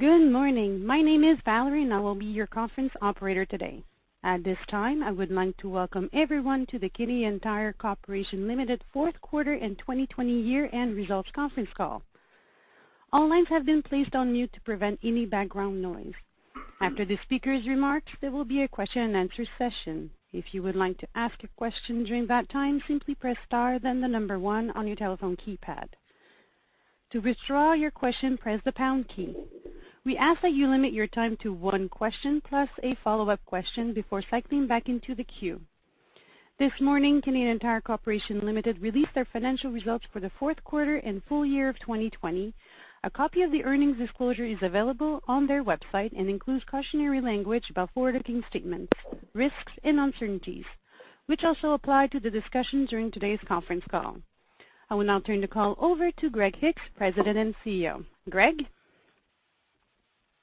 Good morning. My name is Valerie, and I will be your conference operator today. At this time, I would like to welcome everyone to the Canadian Tire Corporation Limited Fourth Quarter and 2020 Year-End Results Conference Call. All lines have been placed on mute to prevent any background noise. After the speaker's remarks, there will be a question-and-answer session. If you would like to ask a question during that time, simply press star, then the number one on your telephone keypad. To withdraw your question, press the pound key. We ask that you limit your time to one question, plus a follow-up question before cycling back into the queue. This morning, Canadian Tire Corporation Limited released their financial results for the fourth quarter and full-year of 2020. A copy of the earnings disclosure is available on their website and includes cautionary language about forward-looking statements, risks, and uncertainties, which also apply to the discussion during today's conference call. I will now turn the call over to Greg Hicks, President and CEO.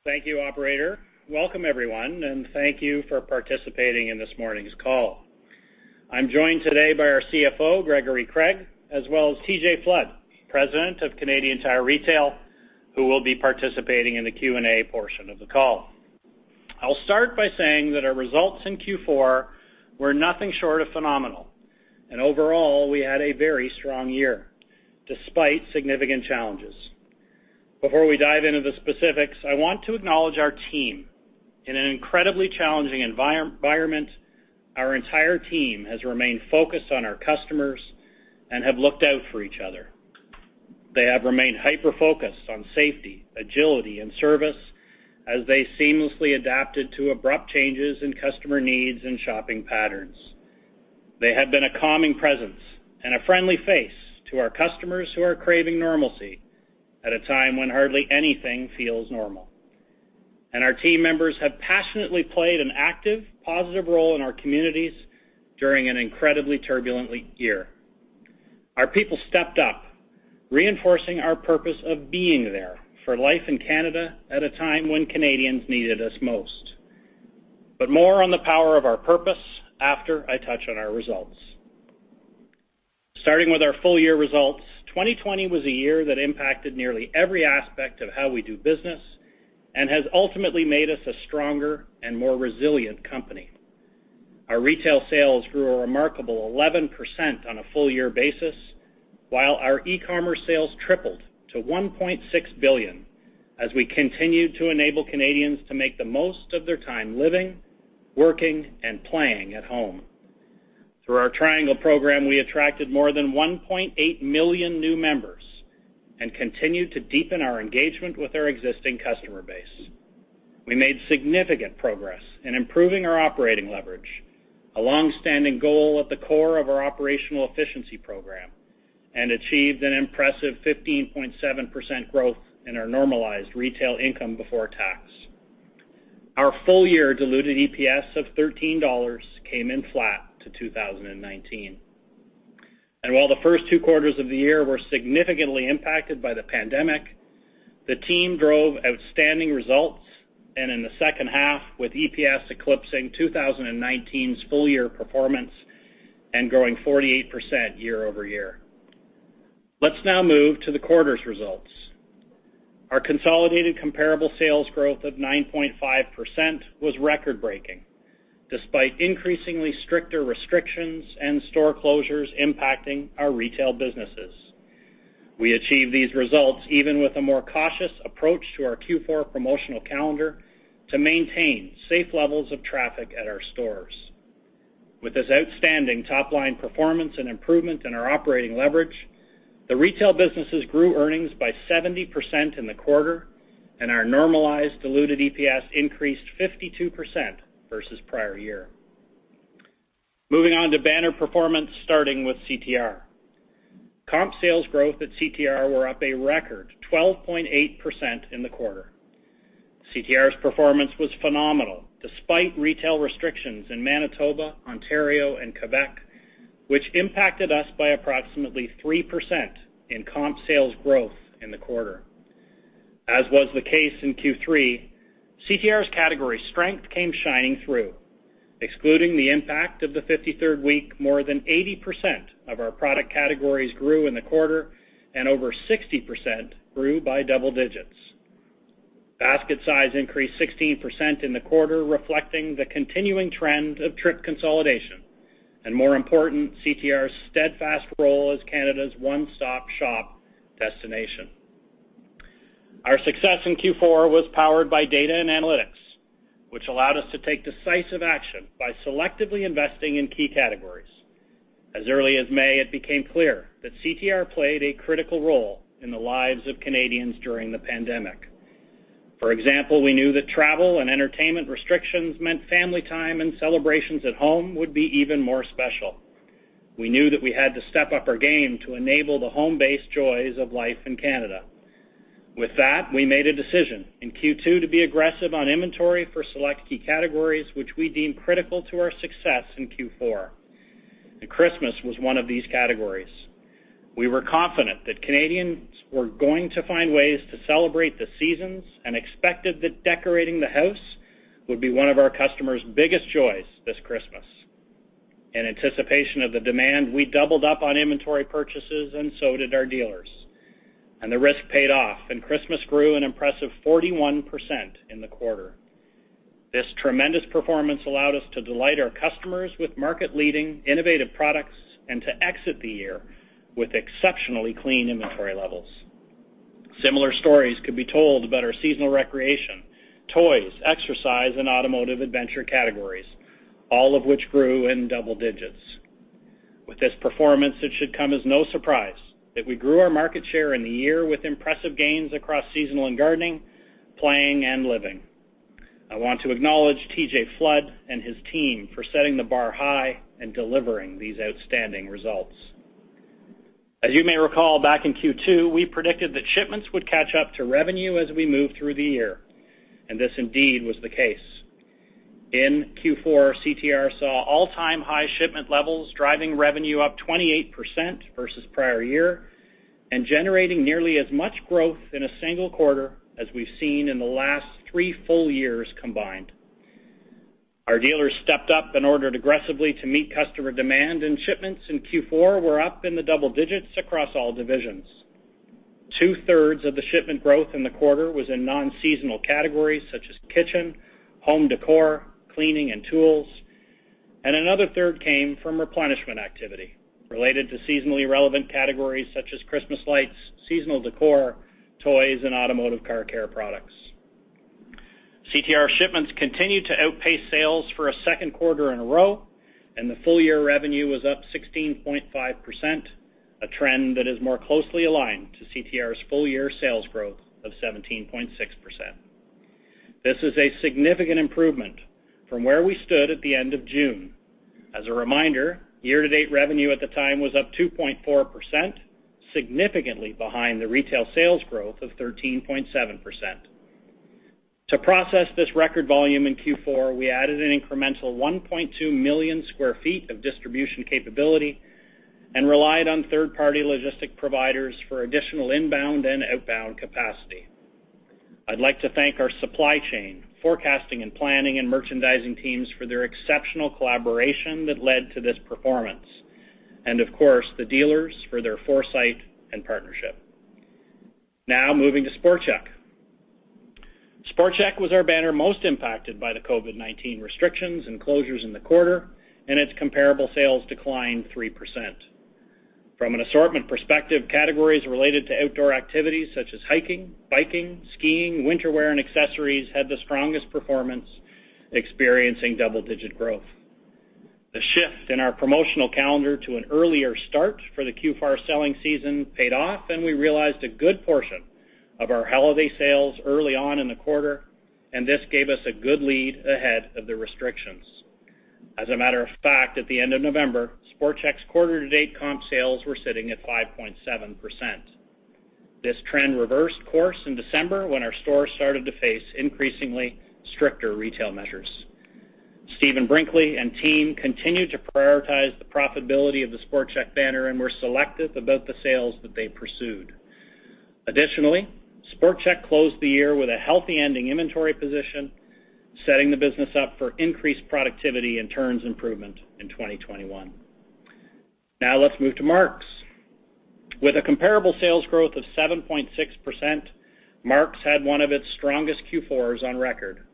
Greg? Thank you, operator. Welcome, everyone, and thank you for participating in this morning's call. I'm joined today by our CFO, Gregory Craig, as well as TJ Flood, President of Canadian Tire Retail, who will be participating in the Q&A portion of the call. I'll start by saying that our results in Q4 were nothing short of phenomenal, and overall, we had a very strong year, despite significant challenges. Before we dive into the specifics, I want to acknowledge our team. In an incredibly challenging environment, our entire team has remained focused on our customers and have looked out for each other. They have remained hyper-focused on safety, agility, and service as they seamlessly adapted to abrupt changes in customer needs and shopping patterns. They have been a calming presence and a friendly face to our customers who are craving normalcy at a time when hardly anything feels normal. Our team members have passionately played an active, positive role in our communities during an incredibly turbulent year. Our people stepped up, reinforcing our purpose of being there for life in Canada at a time when Canadians needed us most. More on the power of our purpose after I touch on our results. Starting with our full-year results, 2020 was a year that impacted nearly every aspect of how we do business and has ultimately made us a stronger and more resilient company. Our retail sales grew a remarkable 11% on a full-year basis, while our e-commerce sales tripled to 1.6 billion as we continued to enable Canadians to make the most of their time living, working, and playing at home. Through our Triangle program, we attracted more than 1.8 million new members and continued to deepen our engagement with our existing customer base. We made significant progress in improving our operating leverage, a long-standing goal at the core of our operational efficiency program, and achieved an impressive 15.7% growth in our normalized retail income before tax. Our full-year diluted EPS of 13 dollars came in flat to 2019. And while the first two quarters of the year were significantly impacted by the pandemic, the team drove outstanding results, and in the H2, with EPS eclipsing 2019's full-year performance and growing 48% year-over-year. Let's now move to the quarter's results. Our consolidated comparable sales growth of 9.5% was record-breaking, despite increasingly stricter restrictions and store closures impacting our retail businesses. We achieved these results even with a more cautious approach to our Q4 promotional calendar to maintain safe levels of traffic at our stores. With this outstanding top-line performance and improvement in our operating leverage, the retail businesses grew earnings by 70% in the quarter, and our normalized diluted EPS increased 52% versus prior year. Moving on to banner performance, starting with CTR. Comp sales growth at CTR were up a record 12.8% in the quarter. CTR's performance was phenomenal, despite retail restrictions in Manitoba, Ontario, and Quebec, which impacted us by approximately 3% in comp sales growth in the quarter. As was the case in Q3, CTR's category strength came shining through. Excluding the impact of the 53rd week, more than 80% of our product categories grew in the quarter, and over 60% grew by double digits. Basket size increased 16% in the quarter, reflecting the continuing trend of trip consolidation, and more important, CTR's steadfast role as Canada's one-stop-shop destination. Our success in Q4 was powered by data and analytics, which allowed us to take decisive action by selectively investing in key categories. As early as May, it became clear that CTR played a critical role in the lives of Canadians during the pandemic. For example, we knew that travel and entertainment restrictions meant family time and celebrations at home would be even more special. We knew that we had to step up our game to enable the home-based joys of life in Canada. With that, we made a decision in Q2 to be aggressive on inventory for select key categories, which we deemed critical to our success in Q4. And Christmas was one of these categories. We were confident that Canadians were going to find ways to celebrate the seasons and expected that decorating the house would be one of our customers' biggest joys this Christmas. In anticipation of the demand, we doubled up on inventory purchases and so did our dealers. The risk paid off, and Christmas grew an impressive 41% in the quarter. This tremendous performance allowed us to delight our customers with market-leading, innovative products and to exit the year with exceptionally clean inventory levels. Similar stories could be told about our seasonal recreation, toys, exercise, and automotive adventure categories, all of which grew in double digits. With this performance, it should come as no surprise that we grew our market share in the year with impressive gains across seasonal and gardening, playing, and living. I want to acknowledge TJ Flood and his team for setting the bar high and delivering these outstanding results. As you may recall, back in Q2, we predicted that shipments would catch up to revenue as we moved through the year, and this indeed was the case. In Q4, CTR saw all-time high shipment levels, driving revenue up 28% versus prior year, and generating nearly as much growth in a single quarter as we've seen in the last three full-years combined. Our dealers stepped up and ordered aggressively to meet customer demand, and shipments in Q4 were up in the double digits across all divisions. Two-thirds of the shipment growth in the quarter was in non-seasonal categories such as kitchen, home decor, cleaning, and tools. And another third came from replenishment activity related to seasonally relevant categories such as Christmas lights, seasonal decor, toys, and automotive car care products. CTR shipments continued to outpace sales for a second quarter in a row, and the full-year revenue was up 16.5%, a trend that is more closely aligned to CTR's full-year sales growth of 17.6%. This is a significant improvement from where we stood at the end of June. As a reminder, year-to-date revenue at the time was up 2.4%, significantly behind the retail sales growth of 13.7%. To process this record volume in Q4, we added an incremental 1.2 million sq ft of distribution capability and relied on third-party logistics providers for additional inbound and outbound capacity. I'd like to thank our supply chain, forecasting and planning, and merchandising teams for their exceptional collaboration that led to this performance, and of course, the dealers for their foresight and partnership. Now moving to SportChek. SportChek was our banner most impacted by the COVID-19 restrictions and closures in the quarter, and its comparable sales declined 3%. From an assortment perspective, categories related to outdoor activities such as hiking, biking, skiing, winter wear, and accessories had the strongest performance, experiencing double-digit growth. The shift in our promotional calendar to an earlier start for the Q4 selling season paid off, and we realized a good portion of our holiday sales early on in the quarter, and this gave us a good lead ahead of the restrictions. As a matter of fact, at the end of November, SportChek quarter-to-date comp sales were sitting at 5.7%. This trend reversed course in December, when our stores started to face increasingly stricter retail measures. Stephen Brinkley and team continued to prioritize the profitability of the SportChek banner and were selective about the sales that they pursued. Additionally, SportChek closed the year with a healthy ending inventory position, setting the business up for increased productivity and turns improvement in 2021. Now let's move to Mark's. With a comparable sales growth of 7.6%, Mark's had one of its strongest Q4s on record.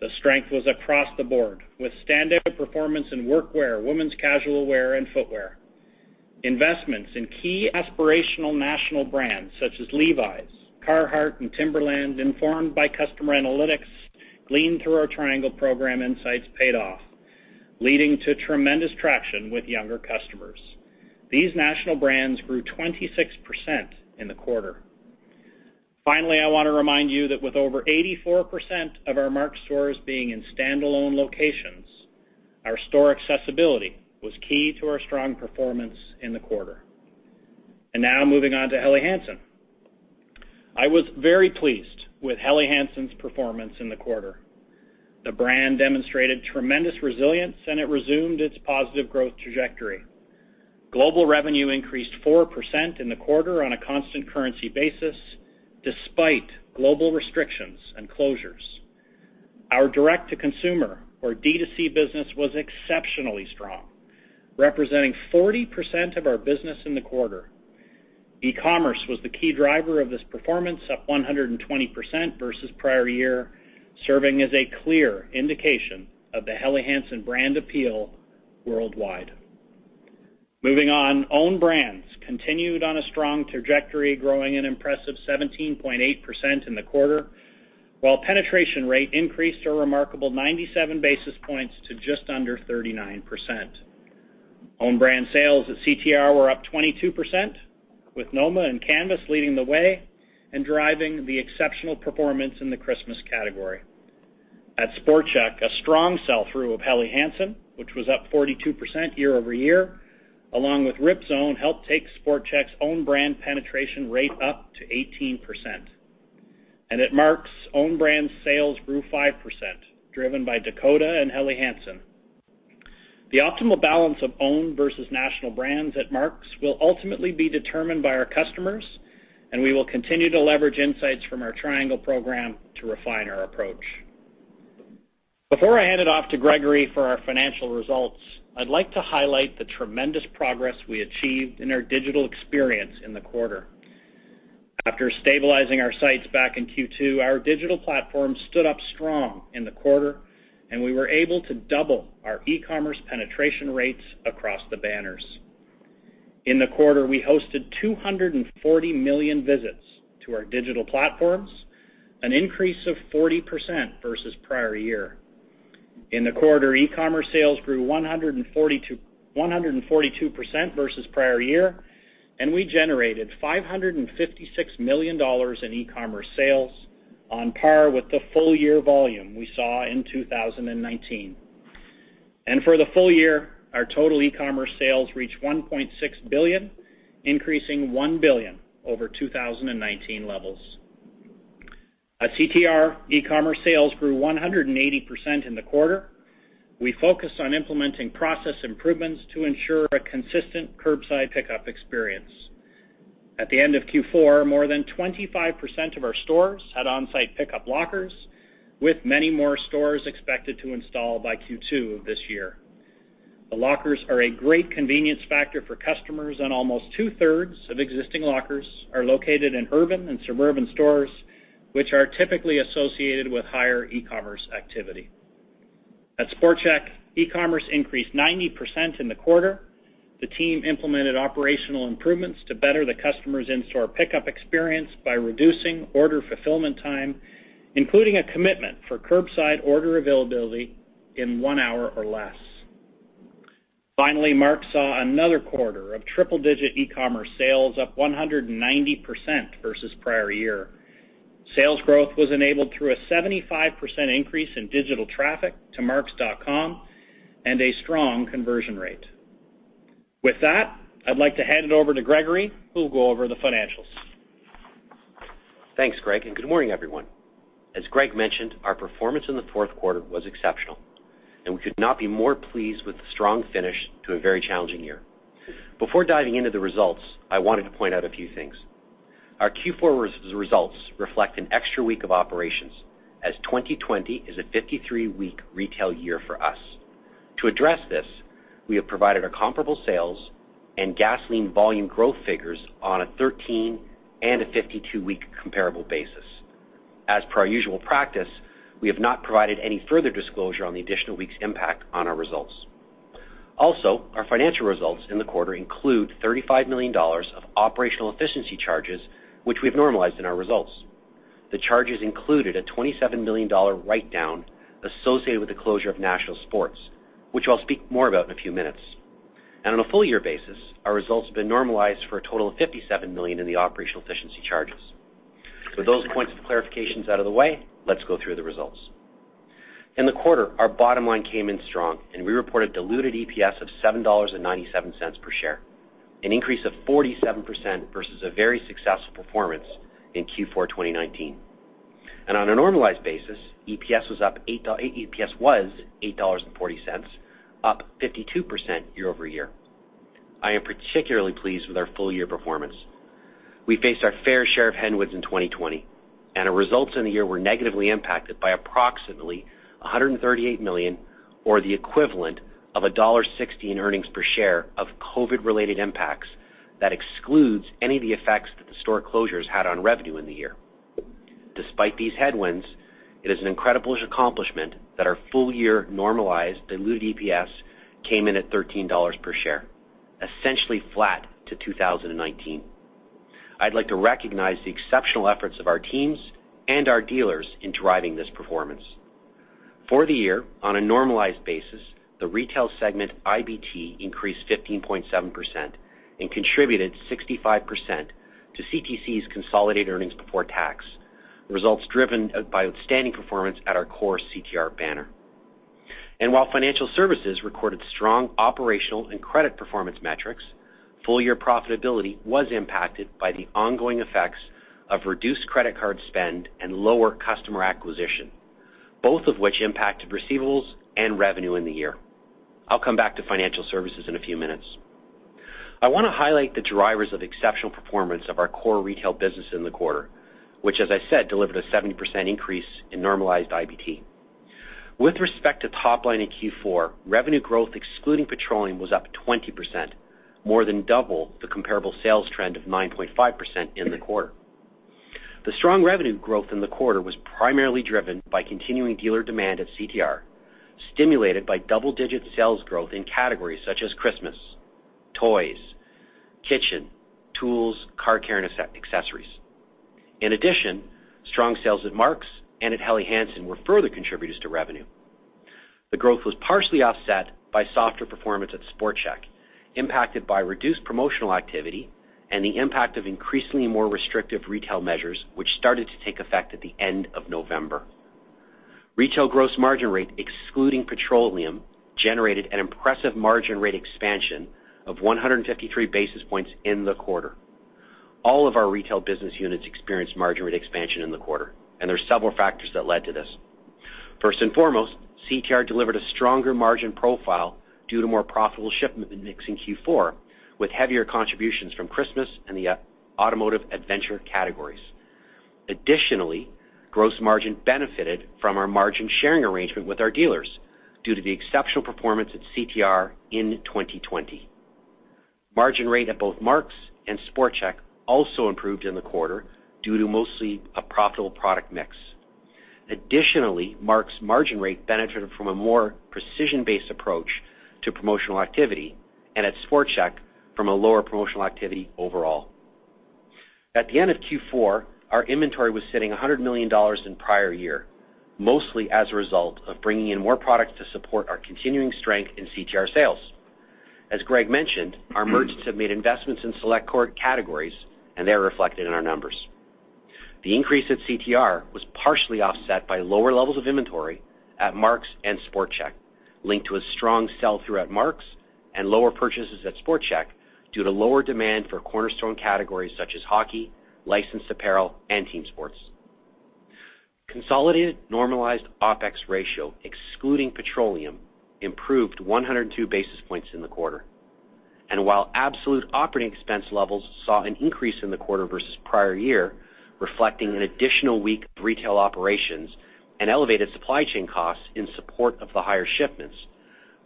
The strength was across the board, with standout performance in workwear, women's casual wear, and footwear. Investments in key aspirational national brands such as Levi's, Carhartt, and Timberland, informed by customer analytics gleaned through our Triangle program insights paid off, leading to tremendous traction with younger customers. These national brands grew 26% in the quarter. Finally, I want to remind you that with over 84% of our Mark's stores being in standalone locations, our store accessibility was key to our strong performance in the quarter. Now moving on to Helly Hansen. I was very pleased with Helly Hansen's performance in the quarter. The brand demonstrated tremendous resilience, and it resumed its positive growth trajectory. Global revenue increased 4% in the quarter on a constant currency basis, despite global restrictions and closures. Our direct-to-consumer, or D2C business, was exceptionally strong, representing 40% of our business in the quarter. E-commerce was the key driver of this performance, up 120% versus prior year, serving as a clear indication of the Helly Hansen brand appeal worldwide. Moving on, own brands continued on a strong trajectory, growing an impressive 17.8% in the quarter, while penetration rate increased a remarkable 97 basis points to just under 39%. Own brand sales at CTR were up 22%, with NOMA and CANVAS leading the way and driving the exceptional performance in the Christmas category. At SportChek, a strong sell-through of Helly Hansen, which was up 42% year-over-year, along with Ripzone, helped take SportChek own brand penetration rate up to 18%. And at Mark's, own brand sales grew 5%, driven by Dakota and Helly Hansen. The optimal balance of own versus national brands at Mark's will ultimately be determined by our customers... and we will continue to leverage insights from our Triangle program to refine our approach. Before I hand it off to Gregory for our financial results, I'd like to highlight the tremendous progress we achieved in our digital experience in the quarter. After stabilizing our sites back in Q2, our digital platform stood up strong in the quarter, and we were able to double our e-commerce penetration rates across the banners. In the quarter, we hosted 240 million visits to our digital platforms, an increase of 40% versus prior year. In the quarter, e-commerce sales grew 142% versus prior year, and we generated 556 million dollars in e-commerce sales, on par with the full-year volume we saw in 2019. For the full-year, our total e-commerce sales reached 1.6 billion, increasing 1 billion over 2019 levels. At CTR, e-commerce sales grew 180% in the quarter. We focused on implementing process improvements to ensure a consistent curbside pickup experience. At the end of Q4, more than 25% of our stores had on-site pickup lockers, with many more stores expected to install by Q2 of this year. The lockers are a great convenience factor for customers, and almost two-thirds of existing lockers are located in urban and suburban stores, which are typically associated with higher e-commerce activity. At SportChek, e-commerce increased 90% in the quarter. The team implemented operational improvements to better the customer's in-store pickup experience by reducing order fulfillment time, including a commitment for curbside order availability in one hour or less. Finally, Mark's saw another quarter of triple-digit e-commerce sales, up 190% versus prior year. Sales growth was enabled through a 75% increase in digital traffic to Marks.com and a strong conversion rate. With that, I'd like to hand it over to Gregory, who will go over the financials. Thanks, Greg, and good morning, everyone. As Greg mentioned, our performance in the fourth quarter was exceptional, and we could not be more pleased with the strong finish to a very challenging year. Before diving into the results, I wanted to point out a few things. Our Q4 results reflect an extra week of operations, as 2020 is a 53-week retail year for us. To address this, we have provided our comparable sales and gasoline volume growth figures on a 13- and 52-week comparable basis. As per our usual practice, we have not provided any further disclosure on the additional week's impact on our results. Also, our financial results in the quarter include 35 million dollars of operational efficiency charges, which we've normalized in our results. The charges included a 27 million dollar write-down associated with the closure of National Sports, which I'll speak more about in a few minutes. On a full-year basis, our results have been normalized for a total of 57 million in the operational efficiency charges. With those points of clarifications out of the way, let's go through the results. In the quarter, our bottom line came in strong, and we reported diluted EPS of 7.97 dollars per share, an increase of 47% versus a very successful performance in Q4 2019. On a normalized basis, EPS was up 8.40 dollars, up 52% year-over-year. I am particularly pleased with our full-year performance. We faced our fair share of headwinds in 2020, and our results in the year were negatively impacted by approximately 138 million, or the equivalent of dollar 1.60 in earnings per share of COVID-related impacts that excludes any of the effects that the store closures had on revenue in the year. Despite these headwinds, it is an incredible accomplishment that our full-year normalized diluted EPS came in at 13 dollars per share, essentially flat to 2019. I'd like to recognize the exceptional efforts of our teams and our dealers in driving this performance. For the year, on a normalized basis, the retail segment IBT increased 15.7% and contributed 65% to CTC's consolidated earnings before tax, results driven by outstanding performance at our core CTR banner. And while Financial Services recorded strong operational and credit performance metrics, full-year profitability was impacted by the ongoing effects of reduced credit card spend and lower customer acquisition, both of which impacted receivables and revenue in the year. I'll come back to Financial Services in a few minutes. I wanna highlight the drivers of exceptional performance of our core retail business in the quarter, which, as I said, delivered a 70% increase in normalized IBT. With respect to top line in Q4, revenue growth, excluding Petroleum, was up 20%, more than double the comparable sales trend of 9.5% in the quarter. The strong revenue growth in the quarter was primarily driven by continuing dealer demand at CTR, stimulated by double-digit sales growth in categories such as Christmas, toys, kitchen, tools, car care, and accessories. In addition, strong sales at Mark's and at Helly Hansen were further contributors to revenue. The growth was partially offset by softer performance at SportChek, impacted by reduced promotional activity and the impact of increasingly more restrictive retail measures, which started to take effect at the end of November. Retail gross margin rate, excluding petroleum, generated an impressive margin rate expansion of 153 basis points in the quarter. All of our retail business units experienced margin rate expansion in the quarter, and there are several factors that led to this.... First and foremost, CTR delivered a stronger margin profile due to more profitable shipment than mix in Q4, with heavier contributions from Christmas and the automotive adventure categories. Additionally, gross margin benefited from our margin sharing arrangement with our dealers due to the exceptional performance at CTR in 2020. Margin rate at both Mark's and SportChek also improved in the quarter due to mostly a profitable product mix. Additionally, Mark's margin rate benefited from a more precision-based approach to promotional activity, and at SportChek, from a lower promotional activity overall. At the end of Q4, our inventory was sitting 100 million dollars in prior year, mostly as a result of bringing in more products to support our continuing strength in CTR sales. As Greg mentioned, our merchants have made investments in select core categories, and they are reflected in our numbers. The increase at CTR was partially offset by lower levels of inventory at Mark's and SportChek, linked to a strong sell-through at Mark's and lower purchases at SportChek due to lower demand for cornerstone categories such as hockey, licensed apparel, and team sports. Consolidated normalized OpEx ratio, excluding petroleum, improved 102 basis points in the quarter. While absolute operating expense levels saw an increase in the quarter versus prior year, reflecting an additional week of retail operations and elevated supply chain costs in support of the higher shipments,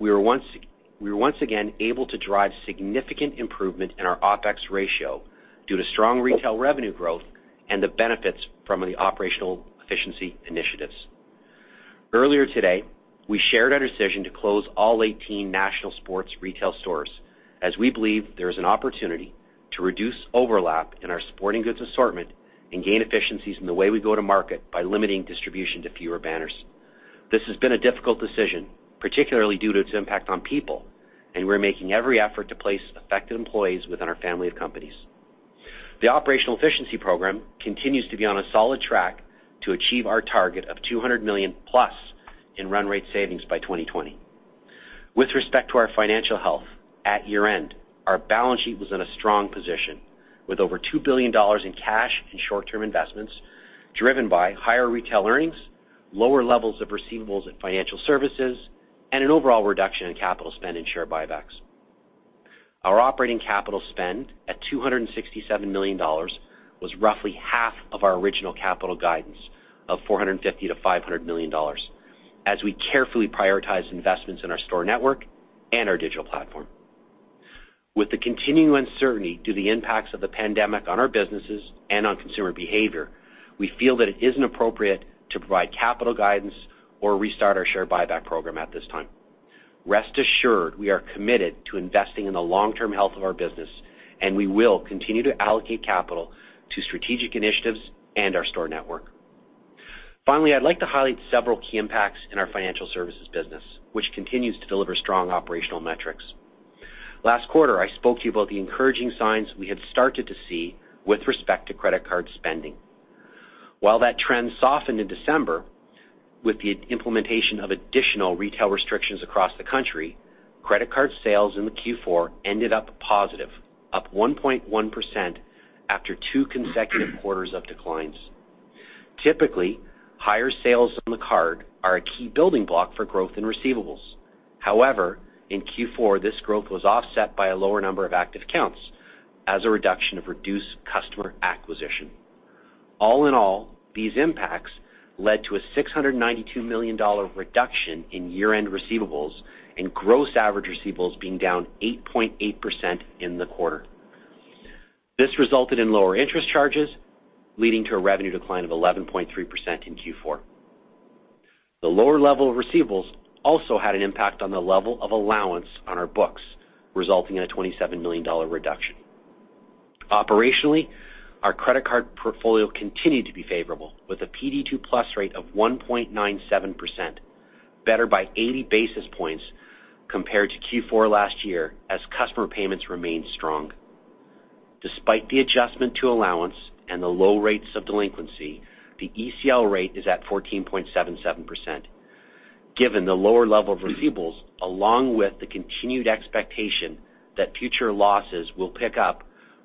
we were once again able to drive significant improvement in our OpEx ratio due to strong retail revenue growth and the benefits from the operational efficiency initiatives. Earlier today, we shared our decision to close all 18 National Sports retail stores, as we believe there is an opportunity to reduce overlap in our sporting goods assortment and gain efficiencies in the way we go to market by limiting distribution to fewer banners. This has been a difficult decision, particularly due to its impact on people, and we're making every effort to place affected employees within our family of companies. The operational efficiency program continues to be on a solid track to achieve our target of 200 million+ in run rate savings by 2020. With respect to our financial health, at year-end, our balance sheet was in a strong position, with over 2 billion dollars in cash and short-term investments, driven by higher retail earnings, lower levels of receivables and financial services, and an overall reduction in capital spend and share buybacks. Our operating capital spend, at 267 million dollars, was roughly half of our original capital guidance of 450 million-500 million dollars, as we carefully prioritized investments in our store network and our digital platform. With the continuing uncertainty due to the impacts of the pandemic on our businesses and on consumer behavior, we feel that it isn't appropriate to provide capital guidance or restart our share buyback program at this time. Rest assured, we are committed to investing in the long-term health of our business, and we will continue to allocate capital to strategic initiatives and our store network. Finally, I'd like to highlight several key impacts in our financial services business, which continues to deliver strong operational metrics. Last quarter, I spoke to you about the encouraging signs we had started to see with respect to credit card spending. While that trend softened in December with the implementation of additional retail restrictions across the country, credit card sales in the Q4 ended up positive, up 1.1% after two consecutive quarters of declines. Typically, higher sales on the card are a key building block for growth in receivables. However, in Q4, this growth was offset by a lower number of active accounts due to reduced customer acquisition. All in all, these impacts led to a 692 million dollar reduction in year-end receivables and gross average receivables being down 8.8% in the quarter. This resulted in lower interest charges, leading to a revenue decline of 11.3% in Q4. The lower level of receivables also had an impact on the level of allowance on our books, resulting in a 27 million dollar reduction. Operationally, our credit card portfolio continued to be favorable, with a PD2+ rate of 1.97%, better by 80 basis points compared to Q4 last year, as customer payments remained strong. Despite the adjustment to allowance and the low rates of delinquency, the ECL rate is at 14.77%, given the lower level of receivables, along with the continued expectation that future losses will pick up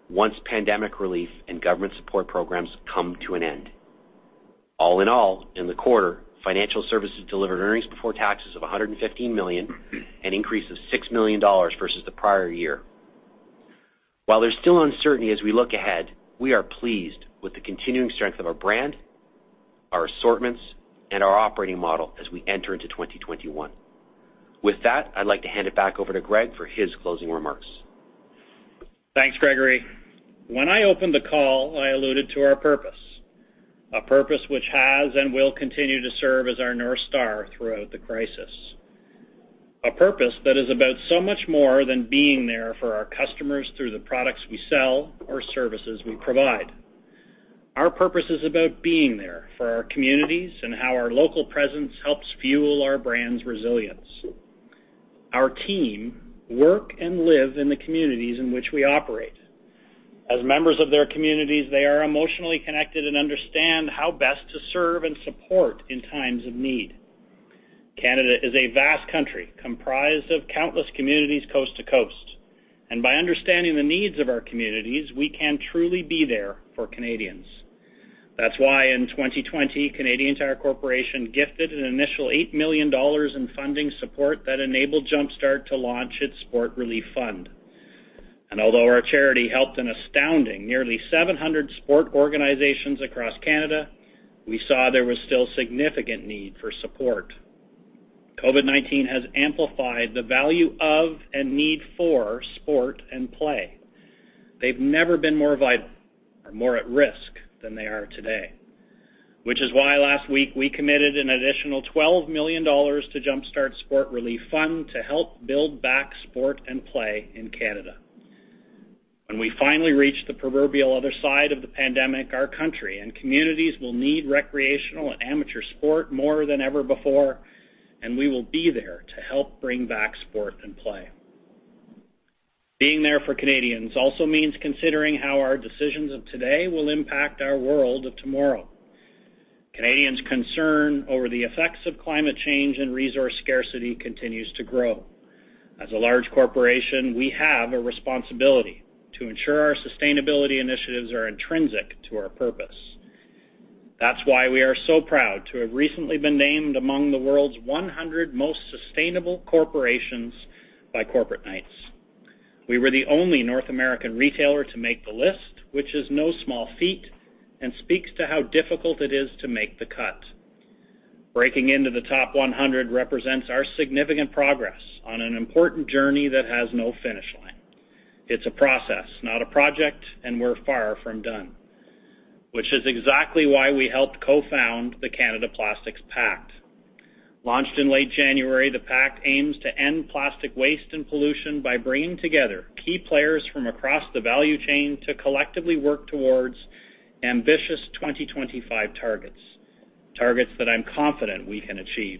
once pandemic relief and government support programs come to an end. All in all, in the quarter, financial services delivered earnings before taxes of 115 million, an increase of 6 million dollars versus the prior year. While there's still uncertainty as we look ahead, we are pleased with the continuing strength of our brand, our assortments, and our operating model as we enter into 2021. With that, I'd like to hand it back over to Greg for his closing remarks. Thanks, Gregory. When I opened the call, I alluded to our purpose, a purpose which has and will continue to serve as our North Star throughout the crisis. A purpose that is about so much more than being there for our customers through the products we sell or services we provide. Our purpose is about being there for our communities and how our local presence helps fuel our brand's resilience. Our teams work and live in the communities in which we operate. As members of their communities, they are emotionally connected and understand how best to serve and support in times of need. Canada is a vast country comprised of countless communities coast to coast, and by understanding the needs of our communities, we can truly be there for Canadians. That's why in 2020, Canadian Tire Corporation gifted an initial 8 million dollars in funding support that enabled Jumpstart to launch its Sport Relief Fund. Although our charity helped an astounding nearly 700 sport organizations across Canada, we saw there was still significant need for support. COVID-19 has amplified the value of and need for sport and play. They've never been more vital or more at risk than they are today, which is why last week we committed an additional 12 million dollars to Jumpstart Sport Relief Fund to help build back sport and play in Canada. When we finally reach the proverbial other side of the pandemic, our country and communities will need recreational and amateur sport more than ever before, and we will be there to help bring back sport and play. Being there for Canadians also means considering how our decisions of today will impact our world of tomorrow. Canadians' concern over the effects of climate change and resource scarcity continues to grow. As a large corporation, we have a responsibility to ensure our sustainability initiatives are intrinsic to our purpose. That's why we are so proud to have recently been named among the world's 100 most sustainable corporations by Corporate Knights. We were the only North American retailer to make the list, which is no small feat, and speaks to how difficult it is to make the cut. Breaking into the top 100 represents our significant progress on an important journey that has no finish line. It's a process, not a project, and we're far from done, which is exactly why we helped co-found the Canada Plastics Pact. Launched in late January, the pact aims to end plastic waste and pollution by bringing together key players from across the value chain to collectively work towards ambitious 2025 targets, targets that I'm confident we can achieve.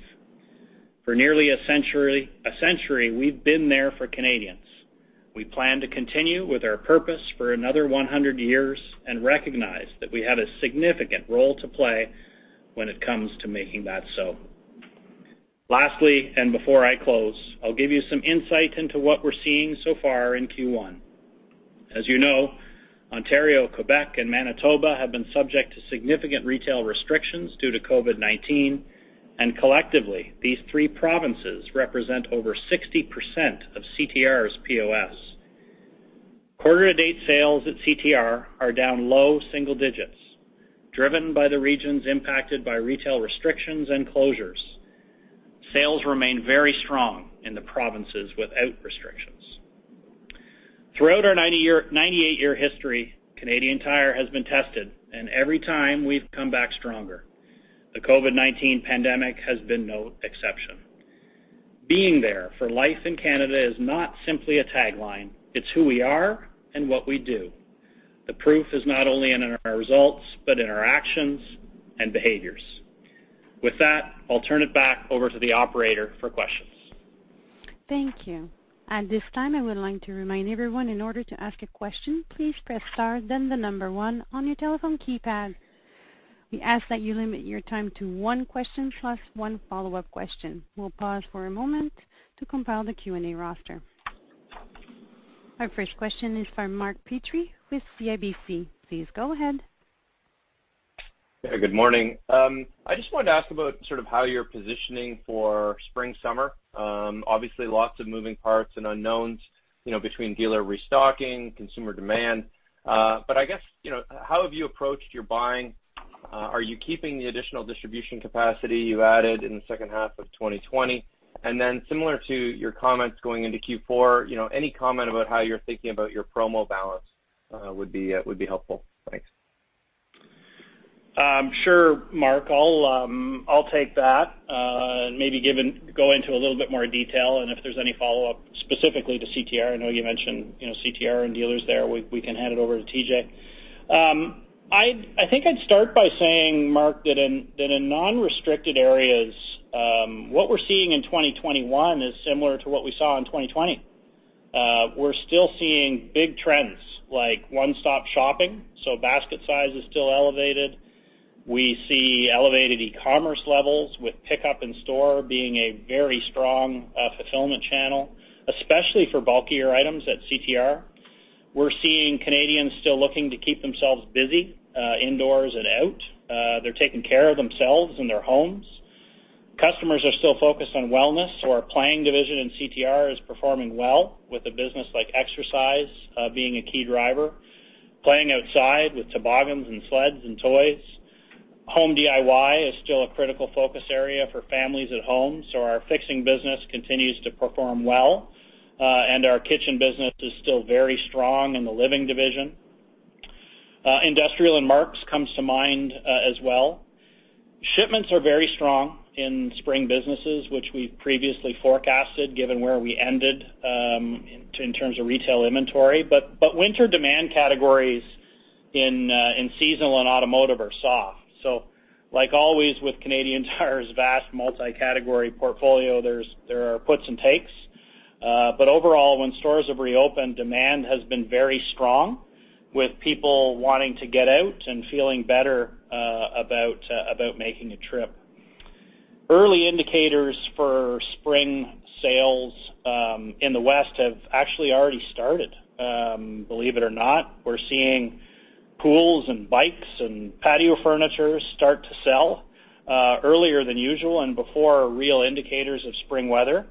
For nearly a century, we've been there for Canadians. We plan to continue with our purpose for another 100 years and recognize that we have a significant role to play when it comes to making that so. Lastly, and before I close, I'll give you some insight into what we're seeing so far in Q1. As you know, Ontario, Quebec, and Manitoba have been subject to significant retail restrictions due to COVID-19, and collectively, these three provinces represent over 60% of CTR's POS. Quarter-to-date sales at CTR are down low single digits, driven by the regions impacted by retail restrictions and closures. Sales remain very strong in the provinces without restrictions. Throughout our 90-year, 98-year history, Canadian Tire has been tested, and every time, we've come back stronger. The COVID-19 pandemic has been no exception. Being there for life in Canada is not simply a tagline, it's who we are and what we do. The proof is not only in our results, but in our actions and behaviors. With that, I'll turn it back over to the operator for questions. Thank you. At this time, I would like to remind everyone in order to ask a question, please press star, then the number one on your telephone keypad. We ask that you limit your time to one question plus one follow-up question. We'll pause for a moment to compile the Q&A roster. Our first question is from Mark Petrie with CIBC. Please go ahead. Yeah, good morning. I just wanted to ask about sort of how you're positioning for spring/summer. Obviously, lots of moving parts and unknowns, you know, between dealer restocking, consumer demand. But I guess, you know, how have you approached your buying? Are you keeping the additional distribution capacity you added in the H2 of 2020? And then similar to your comments going into Q4, you know, any comment about how you're thinking about your promo balance would be helpful. Thanks. Sure, Mark. I'll take that, and maybe go into a little bit more detail, and if there's any follow-up specifically to CTR, I know you mentioned, you know, CTR and dealers there, we can hand it over to TJ. I'd think I'd start by saying, Mark, that in non-restricted areas, what we're seeing in 2021 is similar to what we saw in 2020. We're still seeing big trends like one-stop shopping, so basket size is still elevated. We see elevated e-commerce levels with pickup in store being a very strong fulfillment channel, especially for bulkier items at CTR. We're seeing Canadians still looking to keep themselves busy indoors and out. They're taking care of themselves and their homes. Customers are still focused on wellness, so our playing division in CTR is performing well with a business like exercise being a key driver. Playing outside with toboggans and sleds and toys. Home DIY is still a critical focus area for families at home, so our fixing business continues to perform well, and our kitchen business is still very strong in the living division. Industrial and Mark's comes to mind, as well. Shipments are very strong in spring businesses, which we've previously forecasted, given where we ended in terms of retail inventory. But winter demand categories in seasonal and automotive are soft. So like always, with Canadian Tire's vast multi-category portfolio, there are puts and takes. But overall, when stores have reopened, demand has been very strong, with people wanting to get out and feeling better about making a trip. Early indicators for spring sales in the West have actually already started. Believe it or not, we're seeing pools and bikes and patio furniture start to sell earlier than usual and before real indicators of spring weather.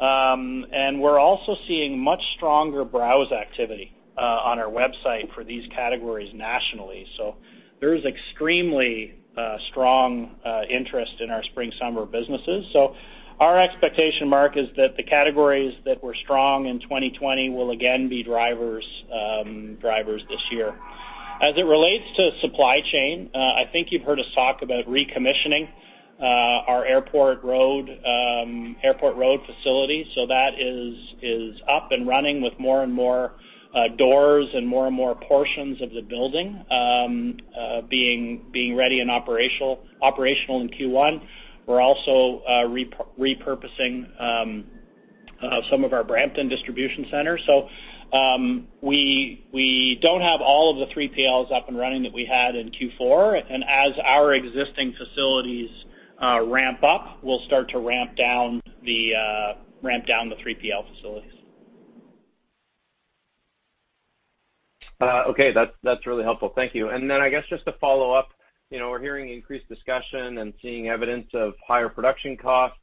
And we're also seeing much stronger browse activity on our website for these categories nationally. So there's extremely strong interest in our spring, summer businesses. So our expectation, Mark, is that the categories that were strong in 2020 will again be drivers this year. As it relates to supply chain, I think you've heard us talk about recommissioning our Airport Road facility. So that is up and running with more and more doors and more and more portions of the building being ready and operational in Q1. We're also repurposing some of our Brampton distribution centers. So we don't have all of the 3PLs up and running that we had in Q4. And as our existing facilities ramp-up, we'll start to ramp down the 3PL facilities. Okay, that's, that's really helpful. Thank you. And then I guess just to follow up, you know, we're hearing increased discussion and seeing evidence of higher production costs,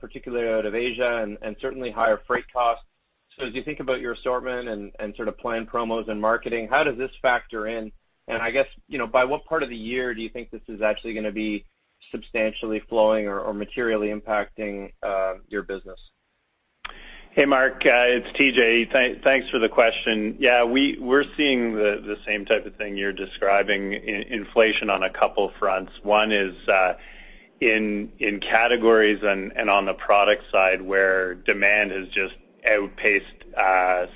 particularly out of Asia, and certainly higher freight costs. So as you think about your assortment and sort of plan promos and marketing, how does this factor in? And I guess, you know, by what part of the year do you think this is actually gonna be substantially flowing or materially impacting your business? Hey, Mark, it's TJ. Thanks for the question. Yeah, we're seeing the same type of thing you're describing, inflation on a couple fronts. One is in categories and on the product side, where demand has just outpaced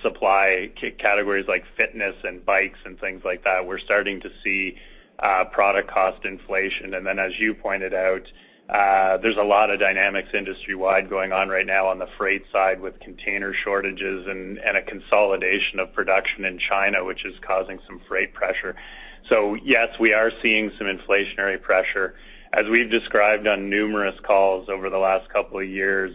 supply, categories like fitness and bikes and things like that. We're starting to see product cost inflation. And then, as you pointed out, there's a lot of dynamics industry-wide going on right now on the freight side with container shortages and a consolidation of production in China, which is causing some freight pressure. So yes, we are seeing some inflationary pressure. As we've described on numerous calls over the last couple of years,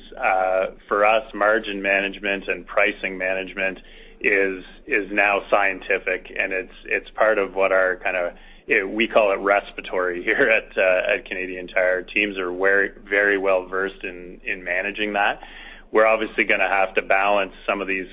for us, margin management and pricing management is now scientific, and it's part of what our kind of... We call it resiliency here at, at Canadian Tire. Teams are very, very well versed in, in managing that. We're obviously gonna have to balance some of these,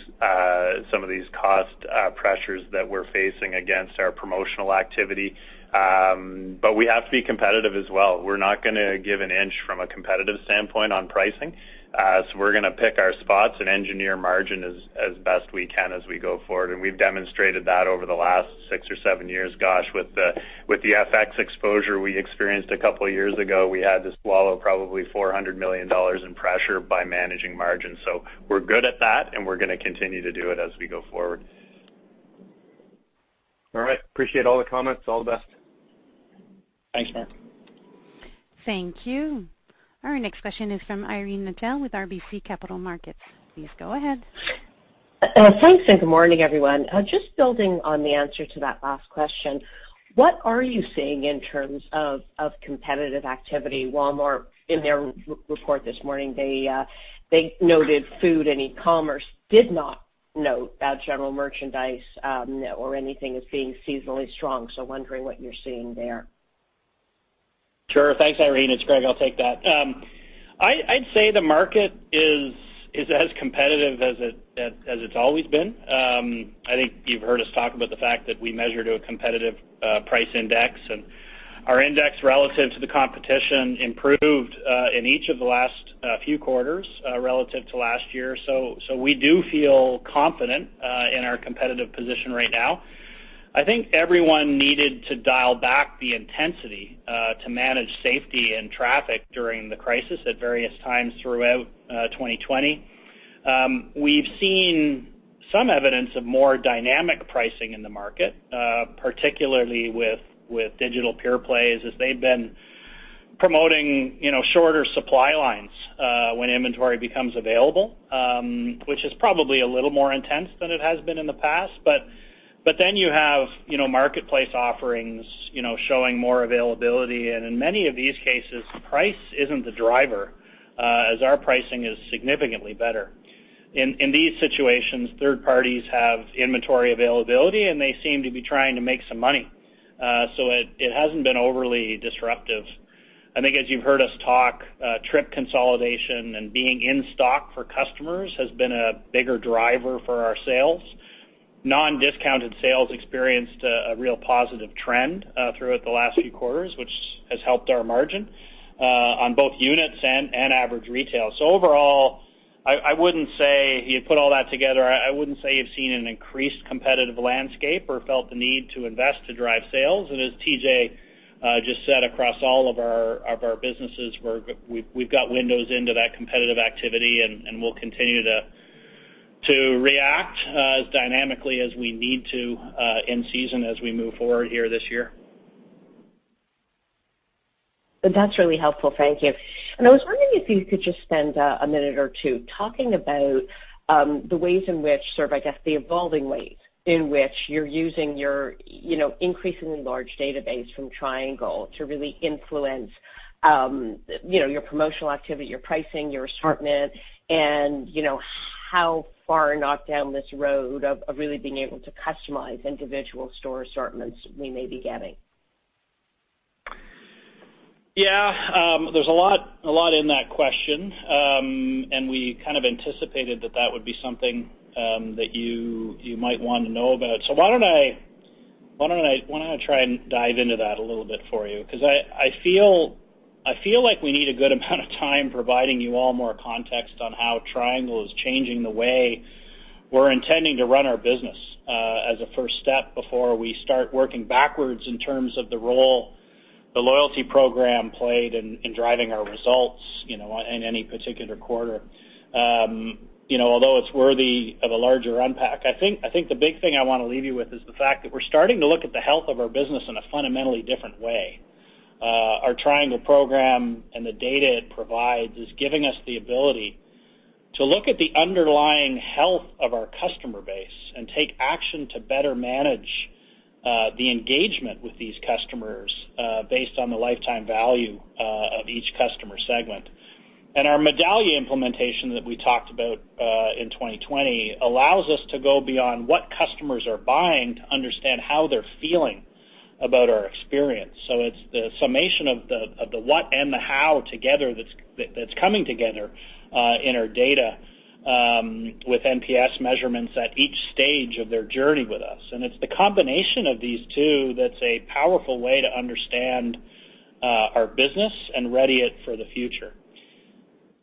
some of these cost, pressures that we're facing against our promotional activity, but we have to be competitive as well. We're not gonna give an inch from a competitive standpoint on pricing. So we're gonna pick our spots and engineer margin as, as best we can as we go forward, and we've demonstrated that over the last six or seven years. Gosh, with the, with the FX exposure we experienced a couple of years ago, we had to swallow probably 400 million dollars in pressure by managing margins. So we're good at that, and we're gonna continue to do it as we go forward. All right. Appreciate all the comments. All the best. Thanks, Mark. Thank you. Our next question is from Irene Nattel with RBC Capital Markets. Please go ahead. Thanks, and good morning, everyone. Just building on the answer to that last question, what are you seeing in terms of competitive activity? Walmart, in their report this morning, they noted food and e-commerce, did not note general merchandise or anything as being seasonally strong, so wondering what you're seeing there. Sure. Thanks, Irene. It's Greg, I'll take that. I'd say the market is as competitive as it's always been. I think you've heard us talk about the fact that we measure to a competitive price index, and our index relative to the competition improved in each of the last few quarters relative to last year. We do feel confident in our competitive position right now. I think everyone needed to dial back the intensity to manage safety and traffic during the crisis at various times throughout 2020. We've seen some evidence of more dynamic pricing in the market, particularly with digital pure plays, as they've been promoting, you know, shorter supply lines when inventory becomes available, which is probably a little more intense than it has been in the past. But then you have, you know, marketplace offerings, you know, showing more availability, and in many of these cases, price isn't the driver as our pricing is significantly better. In these situations, third parties have inventory availability, and they seem to be trying to make some money. So it hasn't been overly disruptive. I think as you've heard us talk, trip consolidation and being in stock for customers has been a bigger driver for our sales. Non-discounted sales experienced a real positive trend throughout the last few quarters, which has helped our margin on both units and average retail. So overall, I wouldn't say you put all that together. I wouldn't say you've seen an increased competitive landscape or felt the need to invest to drive sales. And as TJ just said, across all of our businesses, we've got windows into that competitive activity, and we'll continue to react as dynamically as we need to in season as we move forward here this year.... But that's really helpful, thank you. And I was wondering if you could just spend a minute or two talking about the ways in which, sort of, I guess, the evolving ways in which you're using your, you know, increasingly large database from Triangle to really influence, you know, your promotional activity, your pricing, your assortment, and, you know, how far down this road of really being able to customize individual store assortments we may be getting? Yeah, there's a lot, a lot in that question. And we kind of anticipated that that would be something that you, you might want to know about. So why don't I try and dive into that a little bit for you? Because I feel like we need a good amount of time providing you all more context on how Triangle is changing the way we're intending to run our business, as a first step before we start working backwards in terms of the role the loyalty program played in driving our results, you know, in any particular quarter. You know, although it's worthy of a larger unpack, I think the big thing I want to leave you with is the fact that we're starting to look at the health of our business in a fundamentally different way. Our Triangle program and the data it provides is giving us the ability to look at the underlying health of our customer base and take action to better manage the engagement with these customers based on the lifetime value of each customer segment. And our Medallia implementation that we talked about in 2020 allows us to go beyond what customers are buying, to understand how they're feeling about our experience. So it's the summation of the what and the how together that's coming together in our data with NPS measurements at each stage of their journey with us. And it's the combination of these two that's a powerful way to understand our business and ready it for the future.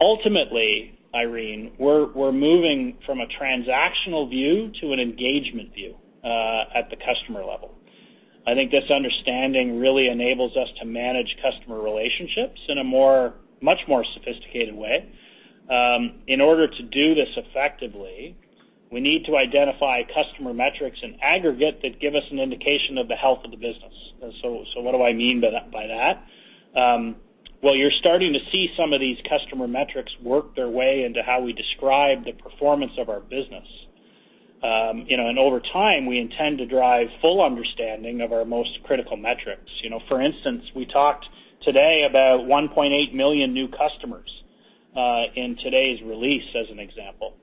Ultimately, Irene, we're moving from a transactional view to an engagement view at the customer level. I think this understanding really enables us to manage customer relationships in a more, much more sophisticated way. In order to do this effectively, we need to identify customer metrics in aggregate that give us an indication of the health of the business. So what do I mean by that? Well, you're starting to see some of these customer metrics work their way into how we describe the performance of our business. You know, and over time, we intend to drive full understanding of our most critical metrics. You know, for instance, we talked today about 1.8 million new customers in today's release, as an example.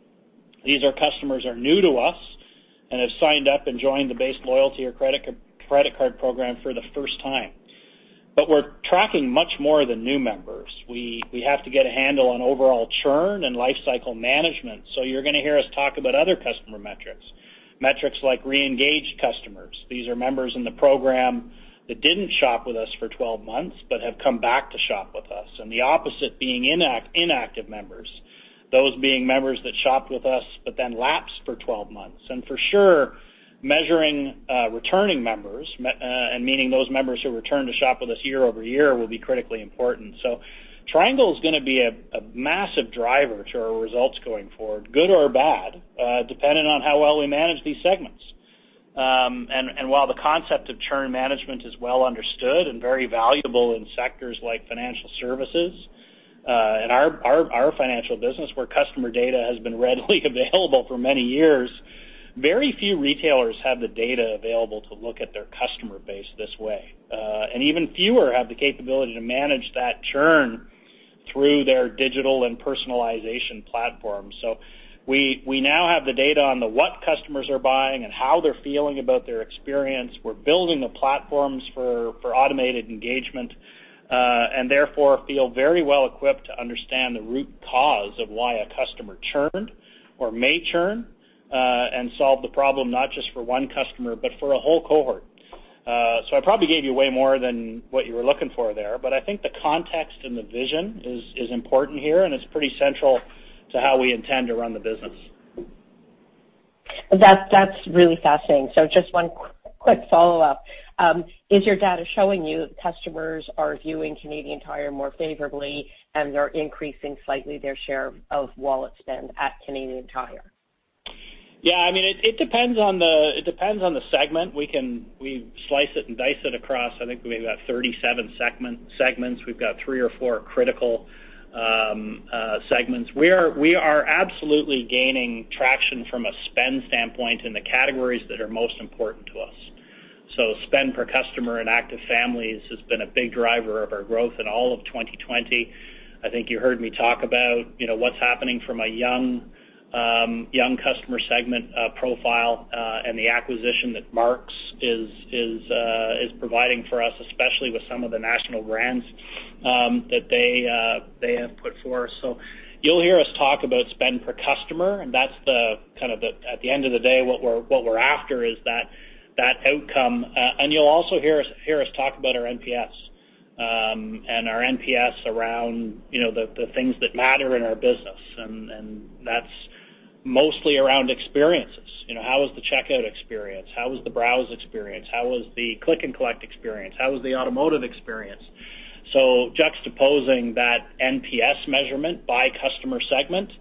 These are customers are new to us and have signed up and joined the base loyalty or credit card program for the first time. But we're tracking much more than new members. We have to get a handle on overall churn and lifecycle management. So you're going to hear us talk about other customer metrics like reengaged customers. These are members in the program that didn't shop with us for 12 months, but have come back to shop with us, and the opposite being inactive members, those being members that shopped with us but then lapsed for 12 months. And for sure, measuring returning members, and meaning those members who return to shop with us year-over-year, will be critically important. So Triangle is going to be a massive driver to our results going forward, good or bad, depending on how well we manage these segments. And while the concept of churn management is well understood and very valuable in sectors like financial services, and our financial business, where customer data has been readily available for many years, very few retailers have the data available to look at their customer base this way. And even fewer have the capability to manage that churn through their digital and personalization platform. So we now have the data on what customers are buying and how they're feeling about their experience. We're building the platforms for automated engagement, and therefore feel very well equipped to understand the root cause of why a customer churned or may churn, and solve the problem, not just for one customer, but for a whole cohort. So I probably gave you way more than what you were looking for there, but I think the context and the vision is important here, and it's pretty central to how we intend to run the business. That's really fascinating. So just one quick follow-up. Is your data showing you that customers are viewing Canadian Tire more favorably, and they're increasing slightly their share of wallet spend at Canadian Tire? Yeah, I mean, it depends on the segment. We slice it and dice it across, I think we've got 37 segments. We've got three or four critical segments. We are absolutely gaining traction from a spend standpoint in the categories that are most important to us. So spend per customer and active families has been a big driver of our growth in all of 2020. I think you heard me talk about, you know, what's happening from a young customer segment profile, and the acquisition that Mark's is providing for us, especially with some of the national brands that they have put forward. So you'll hear us talk about spend per customer, and that's the kind of the... At the end of the day, what we're after is that outcome. And you'll also hear us talk about our NPS and our NPS around, you know, the things that matter in our business. And that's- ... mostly around experiences. You know, how was the checkout experience? How was the browse experience? How was the click-and-collect experience? How was the automotive experience? So juxtaposing that NPS measurement by customer segment,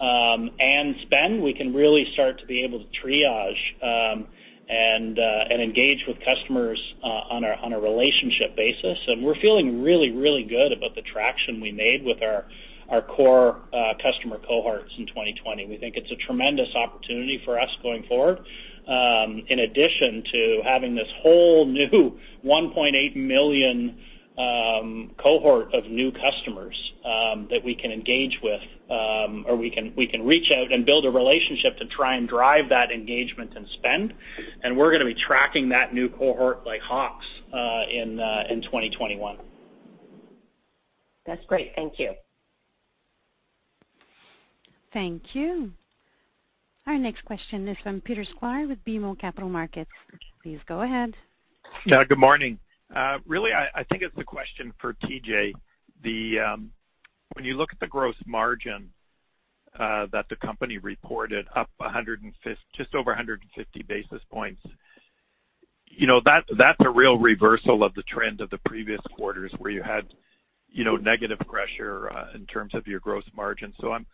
and spend, we can really start to be able to triage, and engage with customers, on a relationship basis. And we're feeling really, really good about the traction we made with our core customer cohorts in 2020. We think it's a tremendous opportunity for us going forward. In addition to having this whole new 1.8 million cohort of new customers, that we can engage with, or we can reach out and build a relationship to try and drive that engagement and spend. And we're gonna be tracking that new cohort like hawks in 2021. That's great. Thank you. Thank you. Our next question is from Peter Sklar with BMO Capital Markets. Please go ahead. Yeah, good morning. Really, I think it's a question for TJ. When you look at the gross margin that the company reported up just over 150 basis points, you know, that's a real reversal of the trend of the previous quarters, where you had, you know, negative pressure in terms of your gross margin. So I'm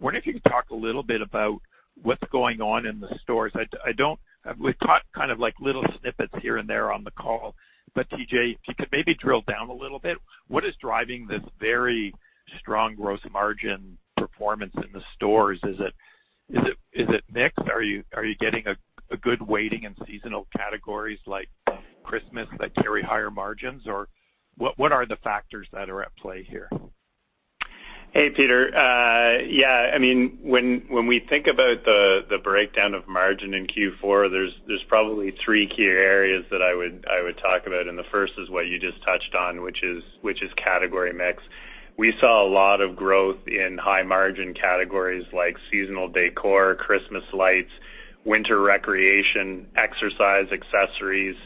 wondering if you could talk a little bit about what's going on in the stores. I don't- we've caught kind of like little snippets here and there on the call. But TJ, if you could maybe drill down a little bit, what is driving this very strong gross margin performance in the stores? Is it mix? Are you getting a good weighting in seasonal categories like Christmas, that carry higher margins? Or what, what are the factors that are at play here? Hey, Peter. Yeah, I mean, when we think about the breakdown of margin in Q4, there's probably three key areas that I would talk about, and the first is what you just touched on, which is category mix. We saw a lot of growth in high-margin categories like seasonal decor, Christmas lights, winter recreation, exercise accessories,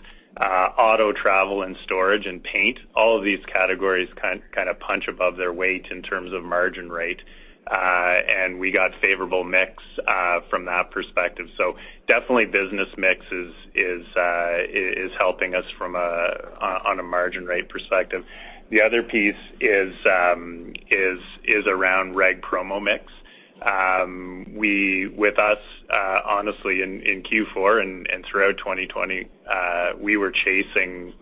auto, travel, and storage, and paint. All of these categories kind of punch above their weight in terms of margin rate. And we got favorable mix from that perspective. So definitely business mix is helping us from a margin rate perspective. The other piece is around reg promo mix. With us, honestly, in Q4 and throughout 2020, we were chasing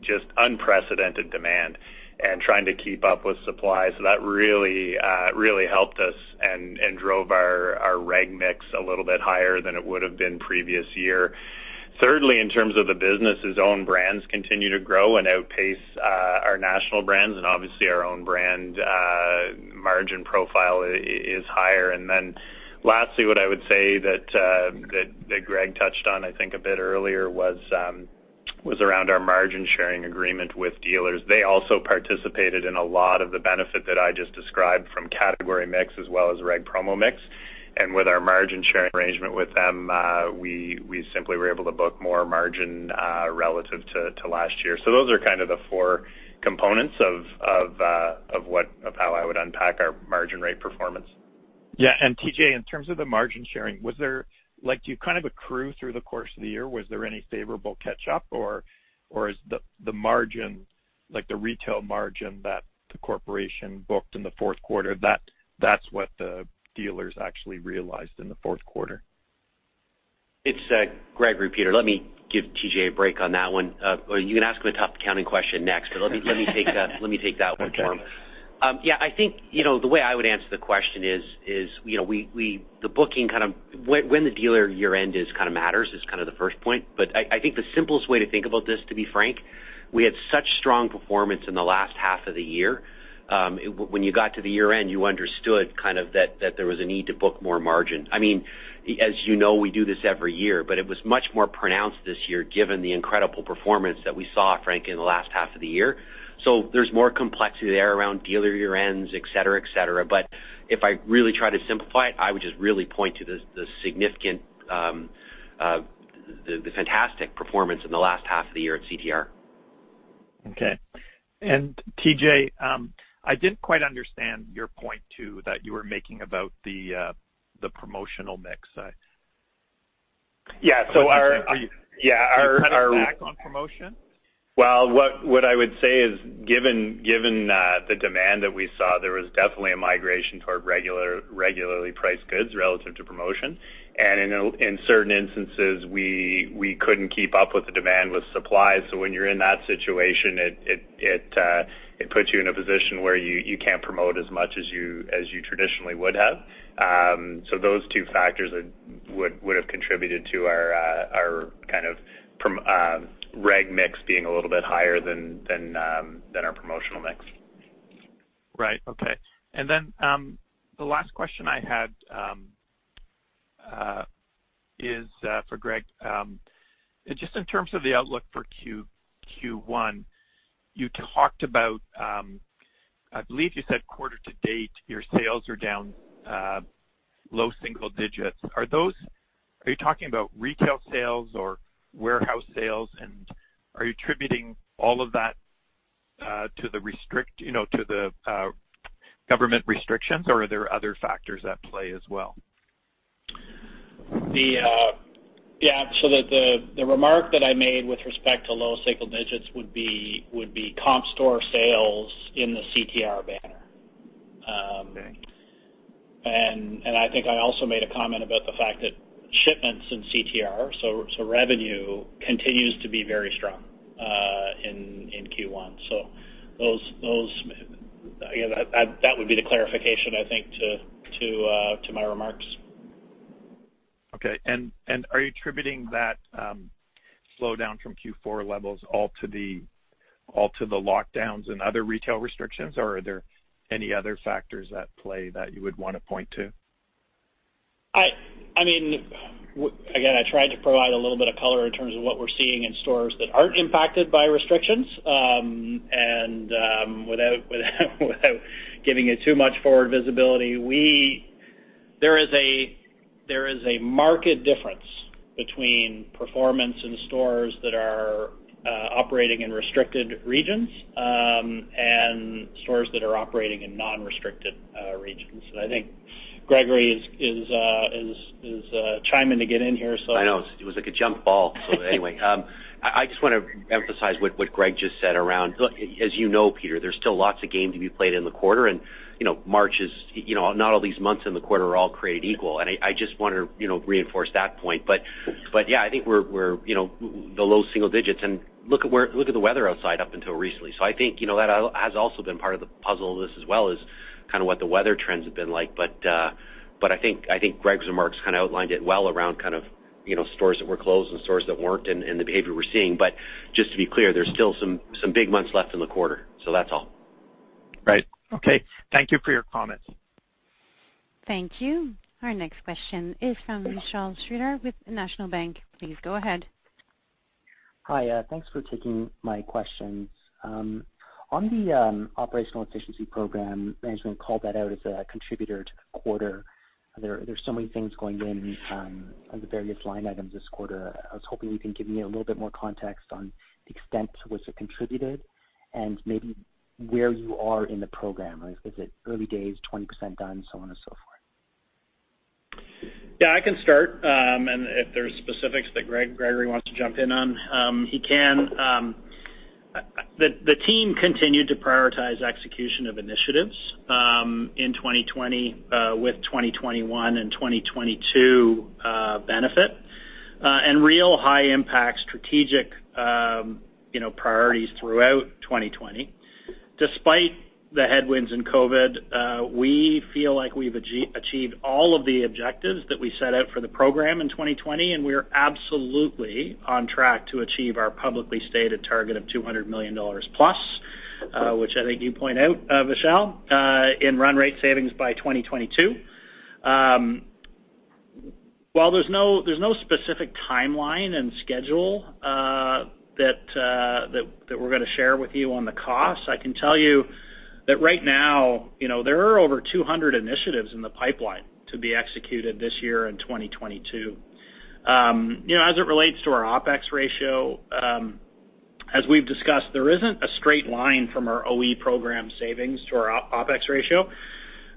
just unprecedented demand and trying to keep up with supply. So that really helped us and drove our reg mix a little bit higher than it would have been previous year. Thirdly, in terms of the business, as own brands continue to grow and outpace our national brands, and obviously, our own brand margin profile is higher. And then lastly, what I would say that Greg touched on, I think, a bit earlier, was around our margin-sharing agreement with dealers. They also participated in a lot of the benefit that I just described from category mix as well as reg promo mix. And with our margin-sharing arrangement with them, we simply were able to book more margin relative to last year. So those are kind of the four components of how I would unpack our margin rate performance. Yeah, and TJ, in terms of the margin sharing, was there like, do you kind of accrue through the course of the year? Was there any favorable catch-up, or, or is the, the margin, like the retail margin that the corporation booked in the fourth quarter, that- that's what the dealers actually realized in the fourth quarter? It's, Gregory, Peter, let me give TJ a break on that one. Well, you can ask him a tough accounting question next, but let me, let me take that, let me take that one for him. Okay. Yeah, I think, you know, the way I would answer the question is, you know, we the booking kind of when the dealer year-end is kind of matters is kind of the first point. But I think the simplest way to think about this, to be frank, we had such strong performance in the last half of the year, when you got to the year-end, you understood kind of that there was a need to book more margin. I mean, as you know, we do this every year, but it was much more pronounced this year, given the incredible performance that we saw, frank, in the last half of the year. So there's more complexity there around dealer year-ends, et cetera, et cetera. But if I really try to simplify it, I would just really point to the significant, fantastic performance in the last half of the year at CTR. Okay. And TJ, I didn't quite understand your point, too, that you were making about the promotional mix. Yeah, so our- Are you- Yeah, our- You cut back on promotion? Well, what I would say is, given the demand that we saw, there was definitely a migration toward regularly priced goods relative to promotion. And in certain instances, we couldn't keep up with the demand with supply. So when you're in that situation, it puts you in a position where you can't promote as much as you traditionally would have. So those two factors would have contributed to our kind of promo-reg mix being a little bit higher than our promotional mix. Right. Okay. And then, the last question I had is for Greg. Just in terms of the outlook for Q1, you talked about, I believe you said quarter to date, your sales are down low single digits. Are you talking about retail sales or warehouse sales, and are you attributing all of that to the restrict, you know, to the government restrictions, or are there other factors at play as well? Yeah, so the remark that I made with respect to low single digits would be comp store sales in the CTR banner. Okay. And I think I also made a comment about the fact that shipments in CTR, so revenue continues to be very strong in Q1. So those, yeah, that would be the clarification, I think, to my remarks. Okay. And are you attributing that slowdown from Q4 levels all to the lockdowns and other retail restrictions, or are there any other factors at play that you would want to point to? I mean, again, I tried to provide a little bit of color in terms of what we're seeing in stores that aren't impacted by restrictions. And without giving it too much forward visibility, we - there is a marked difference between performance in stores that are operating in restricted regions, and stores that are operating in non-restricted regions. And I think Gregory is chiming to get in here, so- I know. It was like a jump ball. So anyway, I just want to emphasize what Greg just said around. Look, as you know, Peter, there's still lots of game to be played in the quarter, and, you know, March is, you know, not all these months in the quarter are all created equal, and I just want to, you know, reinforce that point. But, yeah, I think we're, you know, the low single digits, and look at where. Look at the weather outside up until recently. So I think, you know, that has also been part of the puzzle of this as well, is kind of what the weather trends have been like. But, but I think, I think Greg's remarks kind of outlined it well around kind of, you know, stores that were closed and stores that weren't, and the behavior we're seeing. But just to be clear, there's still some big months left in the quarter, so that's all. Right. Okay, thank you for your comments. Thank you. Our next question is from Vishal Shreedhar with National Bank. Please go ahead. Hi, thanks for taking my questions. On the operational efficiency program, management called that out as a contributor to the quarter. There's so many things going on on the various line items this quarter. I was hoping you can give me a little bit more context on the extent to which it contributed, and maybe where you are in the program. Like, is it early days, 20% done, so on and so forth? Yeah, I can start, and if there's specifics that Greg, Gregory wants to jump in on, he can. The team continued to prioritize execution of initiatives in 2020, with 2021 and 2022 benefit, and real high impact strategic, you know, priorities throughout 2020. Despite the headwinds in COVID, we feel like we've achieved all of the objectives that we set out for the program in 2020, and we are absolutely on track to achieve our publicly stated target of 200 million dollars+, which I think you point out, Vishal, in run rate savings by 2022. While there's no specific timeline and schedule that we're gonna share with you on the costs, I can tell you that right now, you know, there are over 200 initiatives in the pipeline to be executed this year in 2022. You know, as it relates to our OpEx ratio, as we've discussed, there isn't a straight line from our OpEx program savings to our OpEx ratio.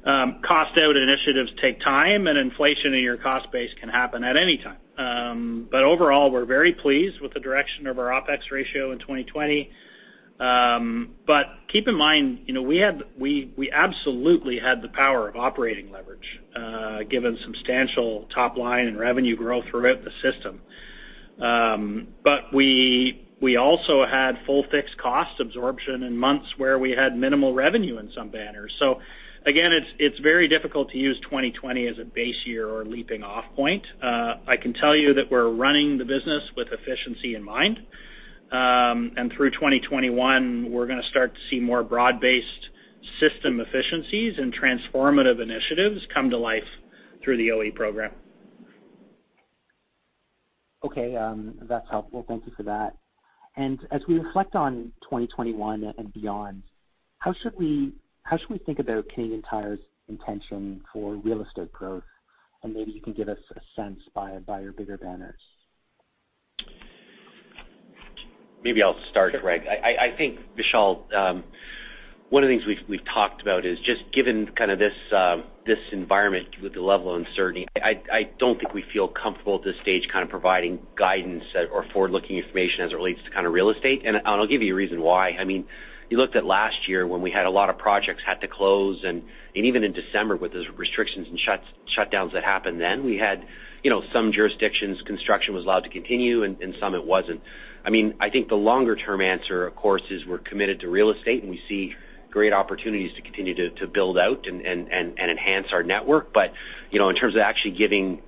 Cost out initiatives take time, and inflation in your cost base can happen at any time. But overall, we're very pleased with the direction of our OpEx ratio in 2020. But keep in mind, you know, we absolutely had the power of operating leverage, given substantial top line and revenue growth throughout the system. But we also had full fixed cost absorption in months where we had minimal revenue in some banners. So again, it's very difficult to use 2020 as a base year or leaping off point. I can tell you that we're running the business with efficiency in mind. And through 2021, we're gonna start to see more broad-based system efficiencies and transformative initiatives come to life through the OE program. Okay, that's helpful. Thank you for that. And as we reflect on 2021 and beyond, how should we, how should we think about Canadian Tire's intention for real estate growth? And maybe you can give us a sense by, by your bigger banners. Maybe I'll start, Greg. I think, Vishal, one of the things we've talked about is just given kind of this environment with the level of uncertainty. I don't think we feel comfortable at this stage, kind of providing guidance or forward-looking information as it relates to kind of real estate, and I'll give you a reason why. I mean, you looked at last year when we had a lot of projects had to close, and even in December with those restrictions and shutdowns that happened then. We had, you know, some jurisdictions, construction was allowed to continue, and some it wasn't. I mean, I think the longer-term answer, of course, is we're committed to real estate, and we see great opportunities to continue to build out and enhance our network. But, you know, in terms of actually giving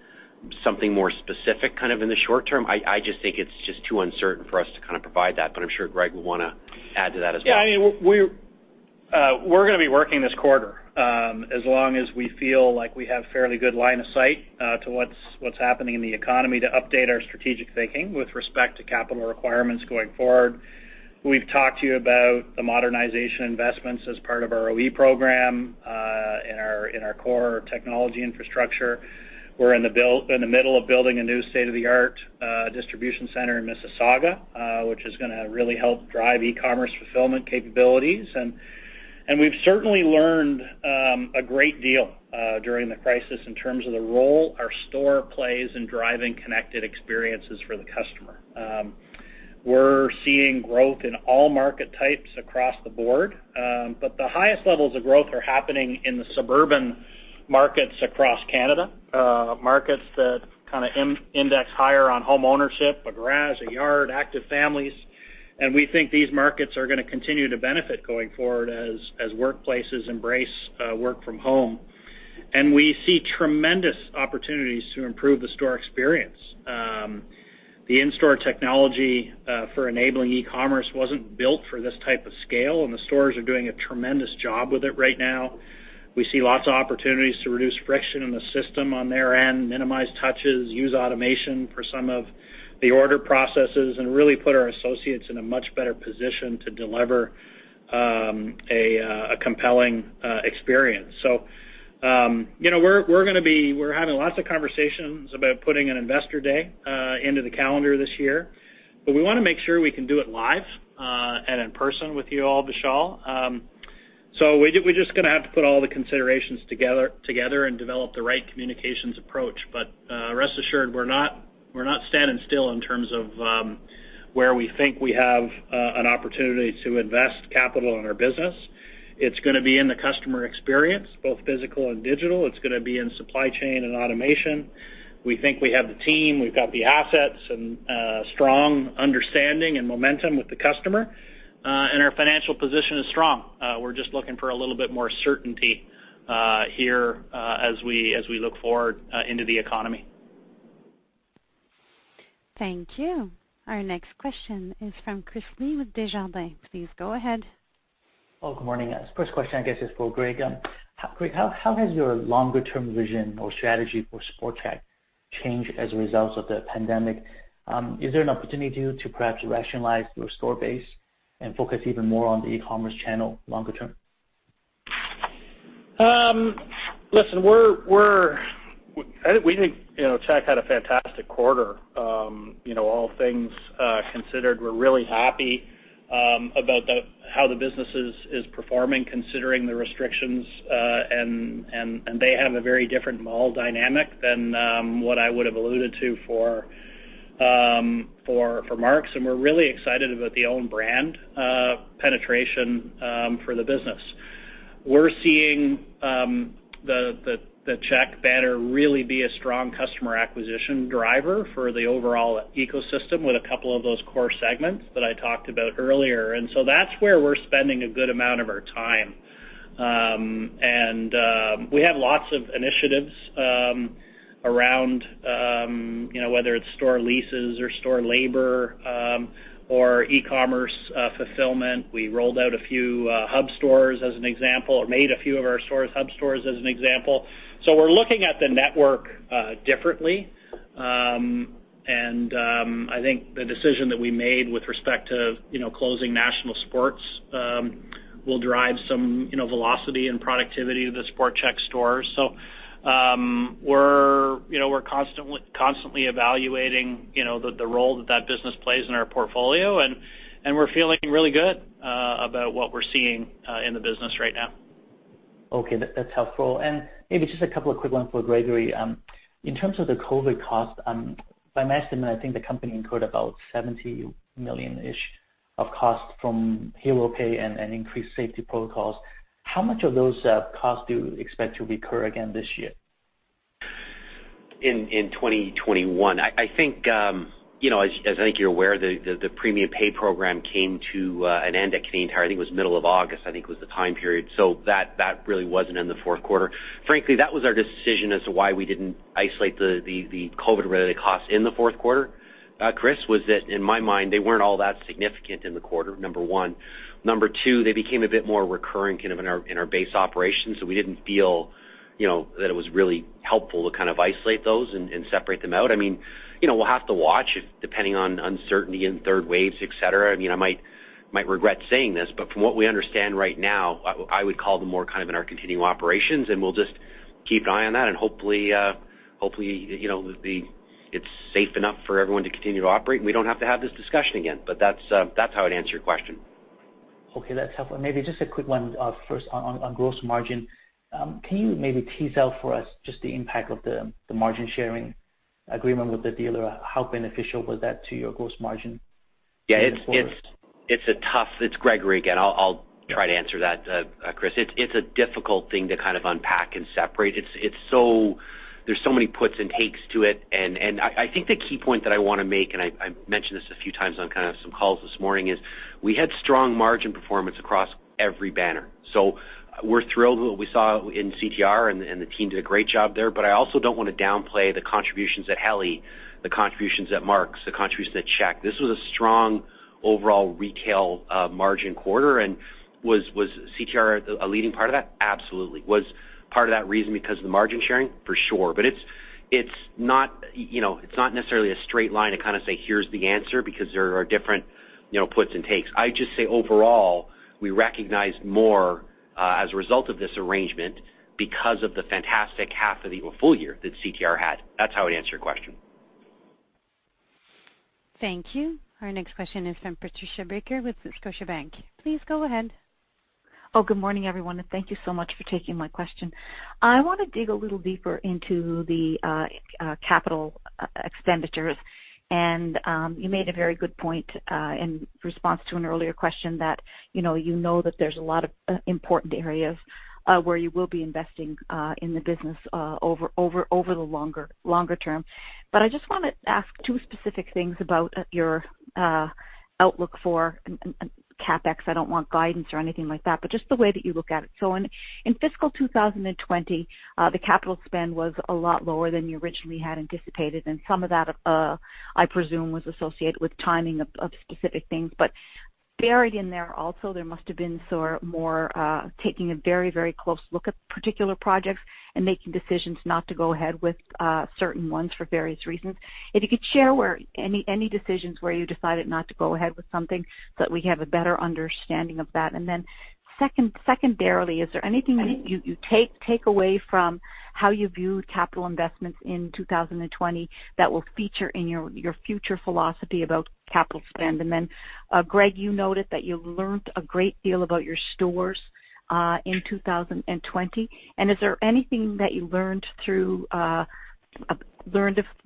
something more specific, kind of in the short term, I just think it's just too uncertain for us to kind of provide that, but I'm sure Greg would wanna add to that as well. Yeah, I mean, we're gonna be working this quarter, as long as we feel like we have fairly good line of sight to what's happening in the economy to update our strategic thinking with respect to capital requirements going forward. We've talked to you about the modernization investments as part of our OE program in our core technology infrastructure. We're in the middle of building a new state-of-the-art distribution center in Mississauga, which is gonna really help drive e-commerce fulfillment capabilities. And we've certainly learned a great deal during the crisis in terms of the role our store plays in driving connected experiences for the customer. We're seeing growth in all market types across the board, but the highest levels of growth are happening in the suburban markets across Canada, markets that kind of index higher on home ownership, a garage, a yard, active families. We think these markets are gonna continue to benefit going forward as workplaces embrace work from home. We see tremendous opportunities to improve the store experience. The in-store technology for enabling e-commerce wasn't built for this type of scale, and the stores are doing a tremendous job with it right now. We see lots of opportunities to reduce friction in the system on their end, minimize touches, use automation for some of the order processes, and really put our associates in a much better position to deliver a compelling experience. So, you know, we're having lots of conversations about putting an investor day into the calendar this year. But we wanna make sure we can do it live and in person with you all, Vishal. So we just, we're just gonna have to put all the considerations together and develop the right communications approach. But rest assured, we're not standing still in terms of where we think we have an opportunity to invest capital in our business. It's gonna be in the customer experience, both physical and digital. It's gonna be in supply chain and automation. We think we have the team, we've got the assets, and strong understanding and momentum with the customer and our financial position is strong. We're just looking for a little bit more certainty here as we look forward into the economy. Thank you. Our next question is from Chris Li with Desjardins. Please go ahead. Well, good morning. First question, I guess, is for Greg. Greg, how, how has your longer-term vision or strategy for SportChek changed as a result of the pandemic? Is there an opportunity to, to perhaps rationalize your store base and focus even more on the e-commerce channel longer term? Listen, we're. I think we think, you know, Chek had a fantastic quarter. You know, all things considered, we're really happy about how the business is performing, considering the restrictions. And they have a very different mall dynamic than what I would have alluded to for Mark's. And we're really excited about the own brand penetration for the business. We're seeing the Chek banner really be a strong customer acquisition driver for the overall ecosystem with a couple of those core segments that I talked about earlier. And so that's where we're spending a good amount of our time. And we have lots of initiatives around, you know, whether it's store leases or store labor or e-commerce fulfillment. We rolled out a few hub stores as an example, or made a few of our stores hub stores as an example. So we're looking at the network differently. I think the decision that we made with respect to, you know, closing National Sports will drive some, you know, velocity and productivity to the SportChek stores. So, we're constantly evaluating, you know, the role that that business plays in our portfolio, and we're feeling really good about what we're seeing in the business right now. Okay, that, that's helpful. And maybe just a couple of quick ones for Gregory. In terms of the COVID cost, by my estimate, I think the company incurred about 70 million-ish of cost from hero pay and increased safety protocols. How much of those costs do you expect to recur again this year? In 2021. I think, you know, as I think you're aware, the premium pay program came to an end at Canadian Tire, I think it was middle of August, I think was the time period. So that really wasn't in the fourth quarter. Frankly, that was our decision as to why we didn't isolate the COVID-related costs in the fourth quarter, Chris, was that, in my mind, they weren't all that significant in the quarter, number one. Number two, they became a bit more recurring kind of in our base operations, so we didn't feel, you know, that it was really helpful to kind of isolate those and separate them out. I mean, you know, we'll have to watch, if depending on uncertainty and third waves, et cetera, I mean, I might regret saying this, but from what we understand right now, I would call them more kind of in our continuing operations, and we'll just keep an eye on that, and hopefully, hopefully, you know, it's safe enough for everyone to continue to operate, and we don't have to have this discussion again. But that's how I'd answer your question. Okay, that's helpful. Maybe just a quick one, first on gross margin. Can you maybe tease out for us just the impact of the margin sharing agreement with the dealer? How beneficial was that to your gross margin going forward? Yeah, it's a tough. It's Gregory again. I'll try to answer that, Chris. It's a difficult thing to kind of unpack and separate. It's so—there's so many puts and takes to it. And I think the key point that I wanna make, and I mentioned this a few times on kind of some calls this morning, is we had strong margin performance across every banner. So we're thrilled what we saw in CTR, and the team did a great job there. But I also don't want to downplay the contributions at Helly, the contributions at Mark's, the contributions at Chek. This was a strong overall retail margin quarter. And was CTR a leading part of that? Absolutely. Was part of that reason because of the margin sharing? For sure. But it's, it's not, you know, it's not necessarily a straight line to kind of say, "Here's the answer," because there are different, you know, puts and takes. I'd just say overall, we recognized more as a result of this arrangement because of the fantastic half of the, or full-year that CTR had. That's how I'd answer your question. Thank you. Our next question is from Patricia Baker with Scotiabank. Please go ahead. Oh, good morning, everyone, and thank you so much for taking my question. I want to dig a little deeper into the capital expenditures. And you made a very good point in response to an earlier question that you know that there's a lot of important areas where you will be investing in the business over the longer term. But I just wanna ask two specific things about your outlook for CapEx. I don't want guidance or anything like that, but just the way that you look at it. So in fiscal 2020, the capital spend was a lot lower than you originally had anticipated, and some of that I presume was associated with timing of specific things. But buried in there also, there must have been sort of more, taking a very, very close look at particular projects and making decisions not to go ahead with certain ones for various reasons. If you could share where any decisions where you decided not to go ahead with something, so that we have a better understanding of that. And then secondarily, is there anything you take away from how you viewed capital investments in 2020 that will feature in your future philosophy about capital spend? And then, Greg, you noted that you learned a great deal about your stores in 2020. Is there anything that you learned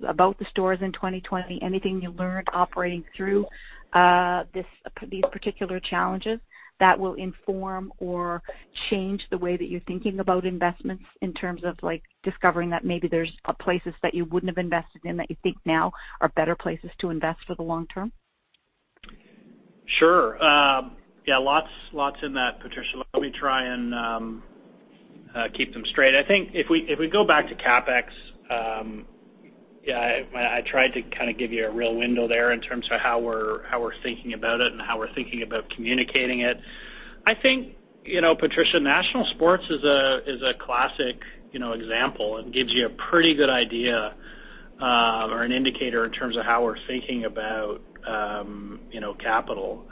about the stores in 2020, anything you learned operating through these particular challenges that will inform or change the way that you're thinking about investments in terms of, like, discovering that maybe there's places that you wouldn't have invested in, that you think now are better places to invest for the long term? Sure. Yeah, lots, lots in that, Patricia. Let me try and keep them straight. I think if we go back to CapEx, yeah, I tried to kind of give you a real window there in terms of how we're thinking about it and how we're thinking about communicating it. I think, you know, Patricia, National Sports is a classic, you know, example and gives you a pretty good idea, or an indicator in terms of how we're thinking about, you know, capital.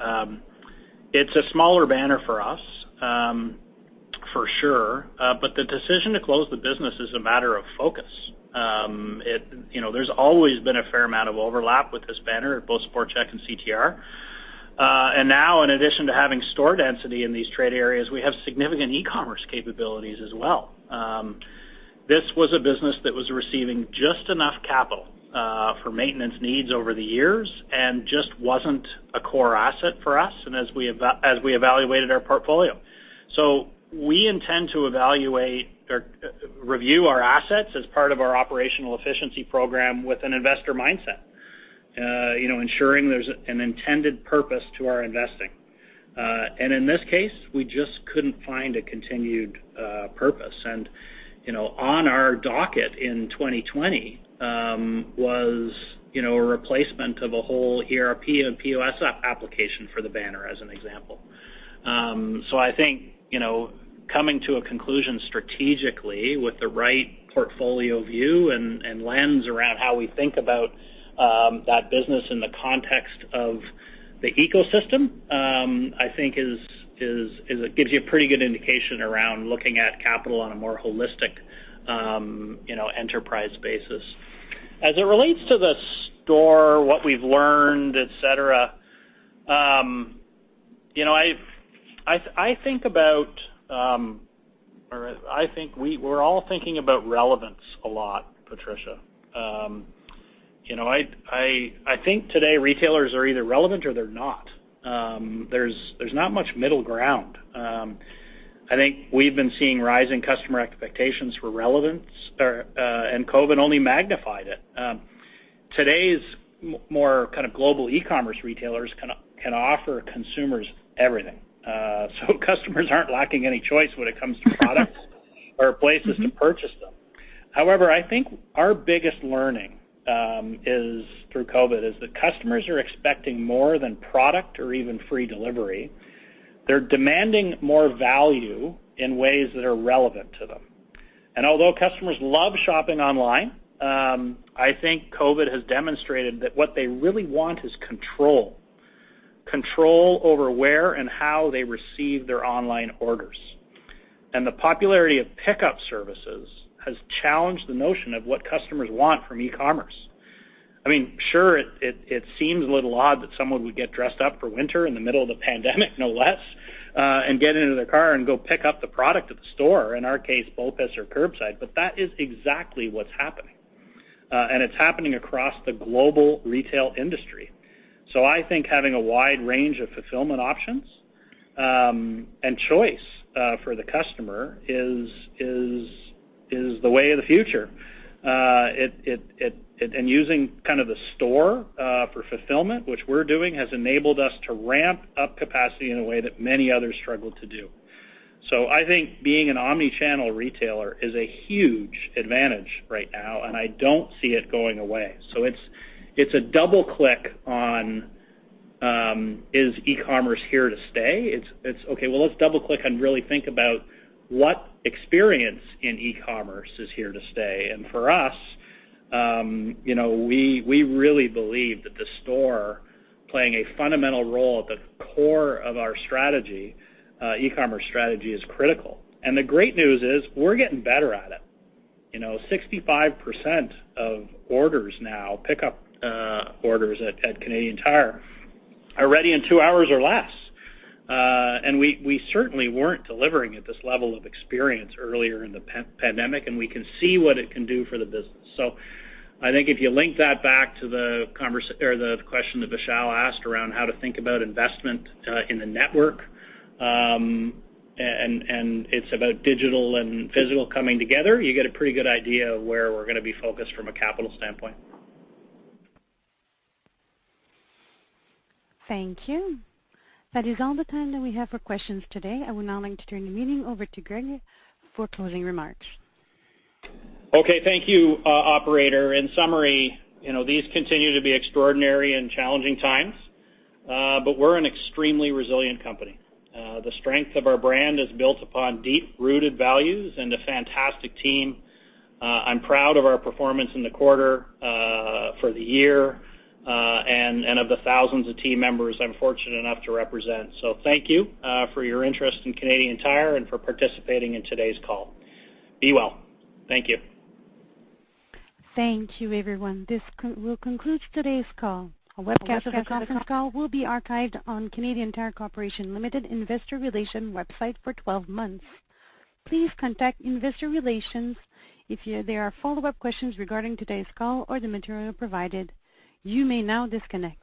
It's a smaller banner for us, for sure, but the decision to close the business is a matter of focus. It... You know, there's always been a fair amount of overlap with this banner at both SportChek and CTR. And now, in addition to having store density in these trade areas, we have significant e-commerce capabilities as well. This was a business that was receiving just enough capital for maintenance needs over the years and just wasn't a core asset for us, and as we evaluated our portfolio. So we intend to evaluate or review our assets as part of our operational efficiency program with an investor mindset, you know, ensuring there's an intended purpose to our investing. And in this case, we just couldn't find a continued purpose. And, you know, on our docket in 2020, was, you know, a replacement of a whole ERP and POS application for the banner, as an example. So I think, you know, coming to a conclusion strategically with the right portfolio view and lens around how we think about that business in the context of the ecosystem, I think it gives you a pretty good indication around looking at capital on a more holistic, you know, enterprise basis. As it relates to the store, what we've learned, et cetera, you know, I think we're all thinking about relevance a lot, Patricia. You know, I think today, retailers are either relevant or they're not. There's not much middle ground. I think we've been seeing rising customer expectations for relevance, and COVID only magnified it. Today's more kind of global e-commerce retailers can offer consumers everything. So customers aren't lacking any choice when it comes to products or places to purchase them. However, I think our biggest learning is through COVID that customers are expecting more than product or even free delivery. They're demanding more value in ways that are relevant to them. And although customers love shopping online, I think COVID has demonstrated that what they really want is control, control over where and how they receive their online orders. And the popularity of pickup services has challenged the notion of what customers want from e-commerce. I mean, sure, it seems a little odd that someone would get dressed up for winter in the middle of the pandemic, no less, and get into their car and go pick up the product at the store, in our case, BOPUS or curbside, but that is exactly what's happening. It's happening across the global retail industry. So I think having a wide range of fulfillment options, and choice, for the customer is the way of the future. And using kind of the store, for fulfillment, which we're doing, has enabled us to ramp up capacity in a way that many others struggle to do. So I think being an omni-channel retailer is a huge advantage right now, and I don't see it going away. So it's a double click on is e-commerce here to stay? Okay, well, let's double click and really think about what experience in e-commerce is here to stay. And for us, you know, we really believe that the store playing a fundamental role at the core of our strategy, e-commerce strategy, is critical. And the great news is, we're getting better at it. You know, 65% of orders now, pickup orders at Canadian Tire, are ready in two hours or less. And we certainly weren't delivering at this level of experience earlier in the pandemic, and we can see what it can do for the business. So I think if you link that back to the conversation or the question that Vishal asked around how to think about investment in the network, and it's about digital and physical coming together, you get a pretty good idea of where we're gonna be focused from a capital standpoint. Thank you. That is all the time that we have for questions today. I would now like to turn the meeting over to Greg for closing remarks. Okay, thank you, operator. In summary, you know, these continue to be extraordinary and challenging times, but we're an extremely resilient company. The strength of our brand is built upon deep-rooted values and a fantastic team. I'm proud of our performance in the quarter, for the year, and of the thousands of team members I'm fortunate enough to represent. So thank you, for your interest in Canadian Tire and for participating in today's call. Be well. Thank you. Thank you, everyone. This concludes today's call. A webcast of the conference call will be archived on Canadian Tire Corporation Limited Investor Relations website for 12 months. Please contact Investor Relations if there are follow-up questions regarding today's call or the material provided. You may now disconnect.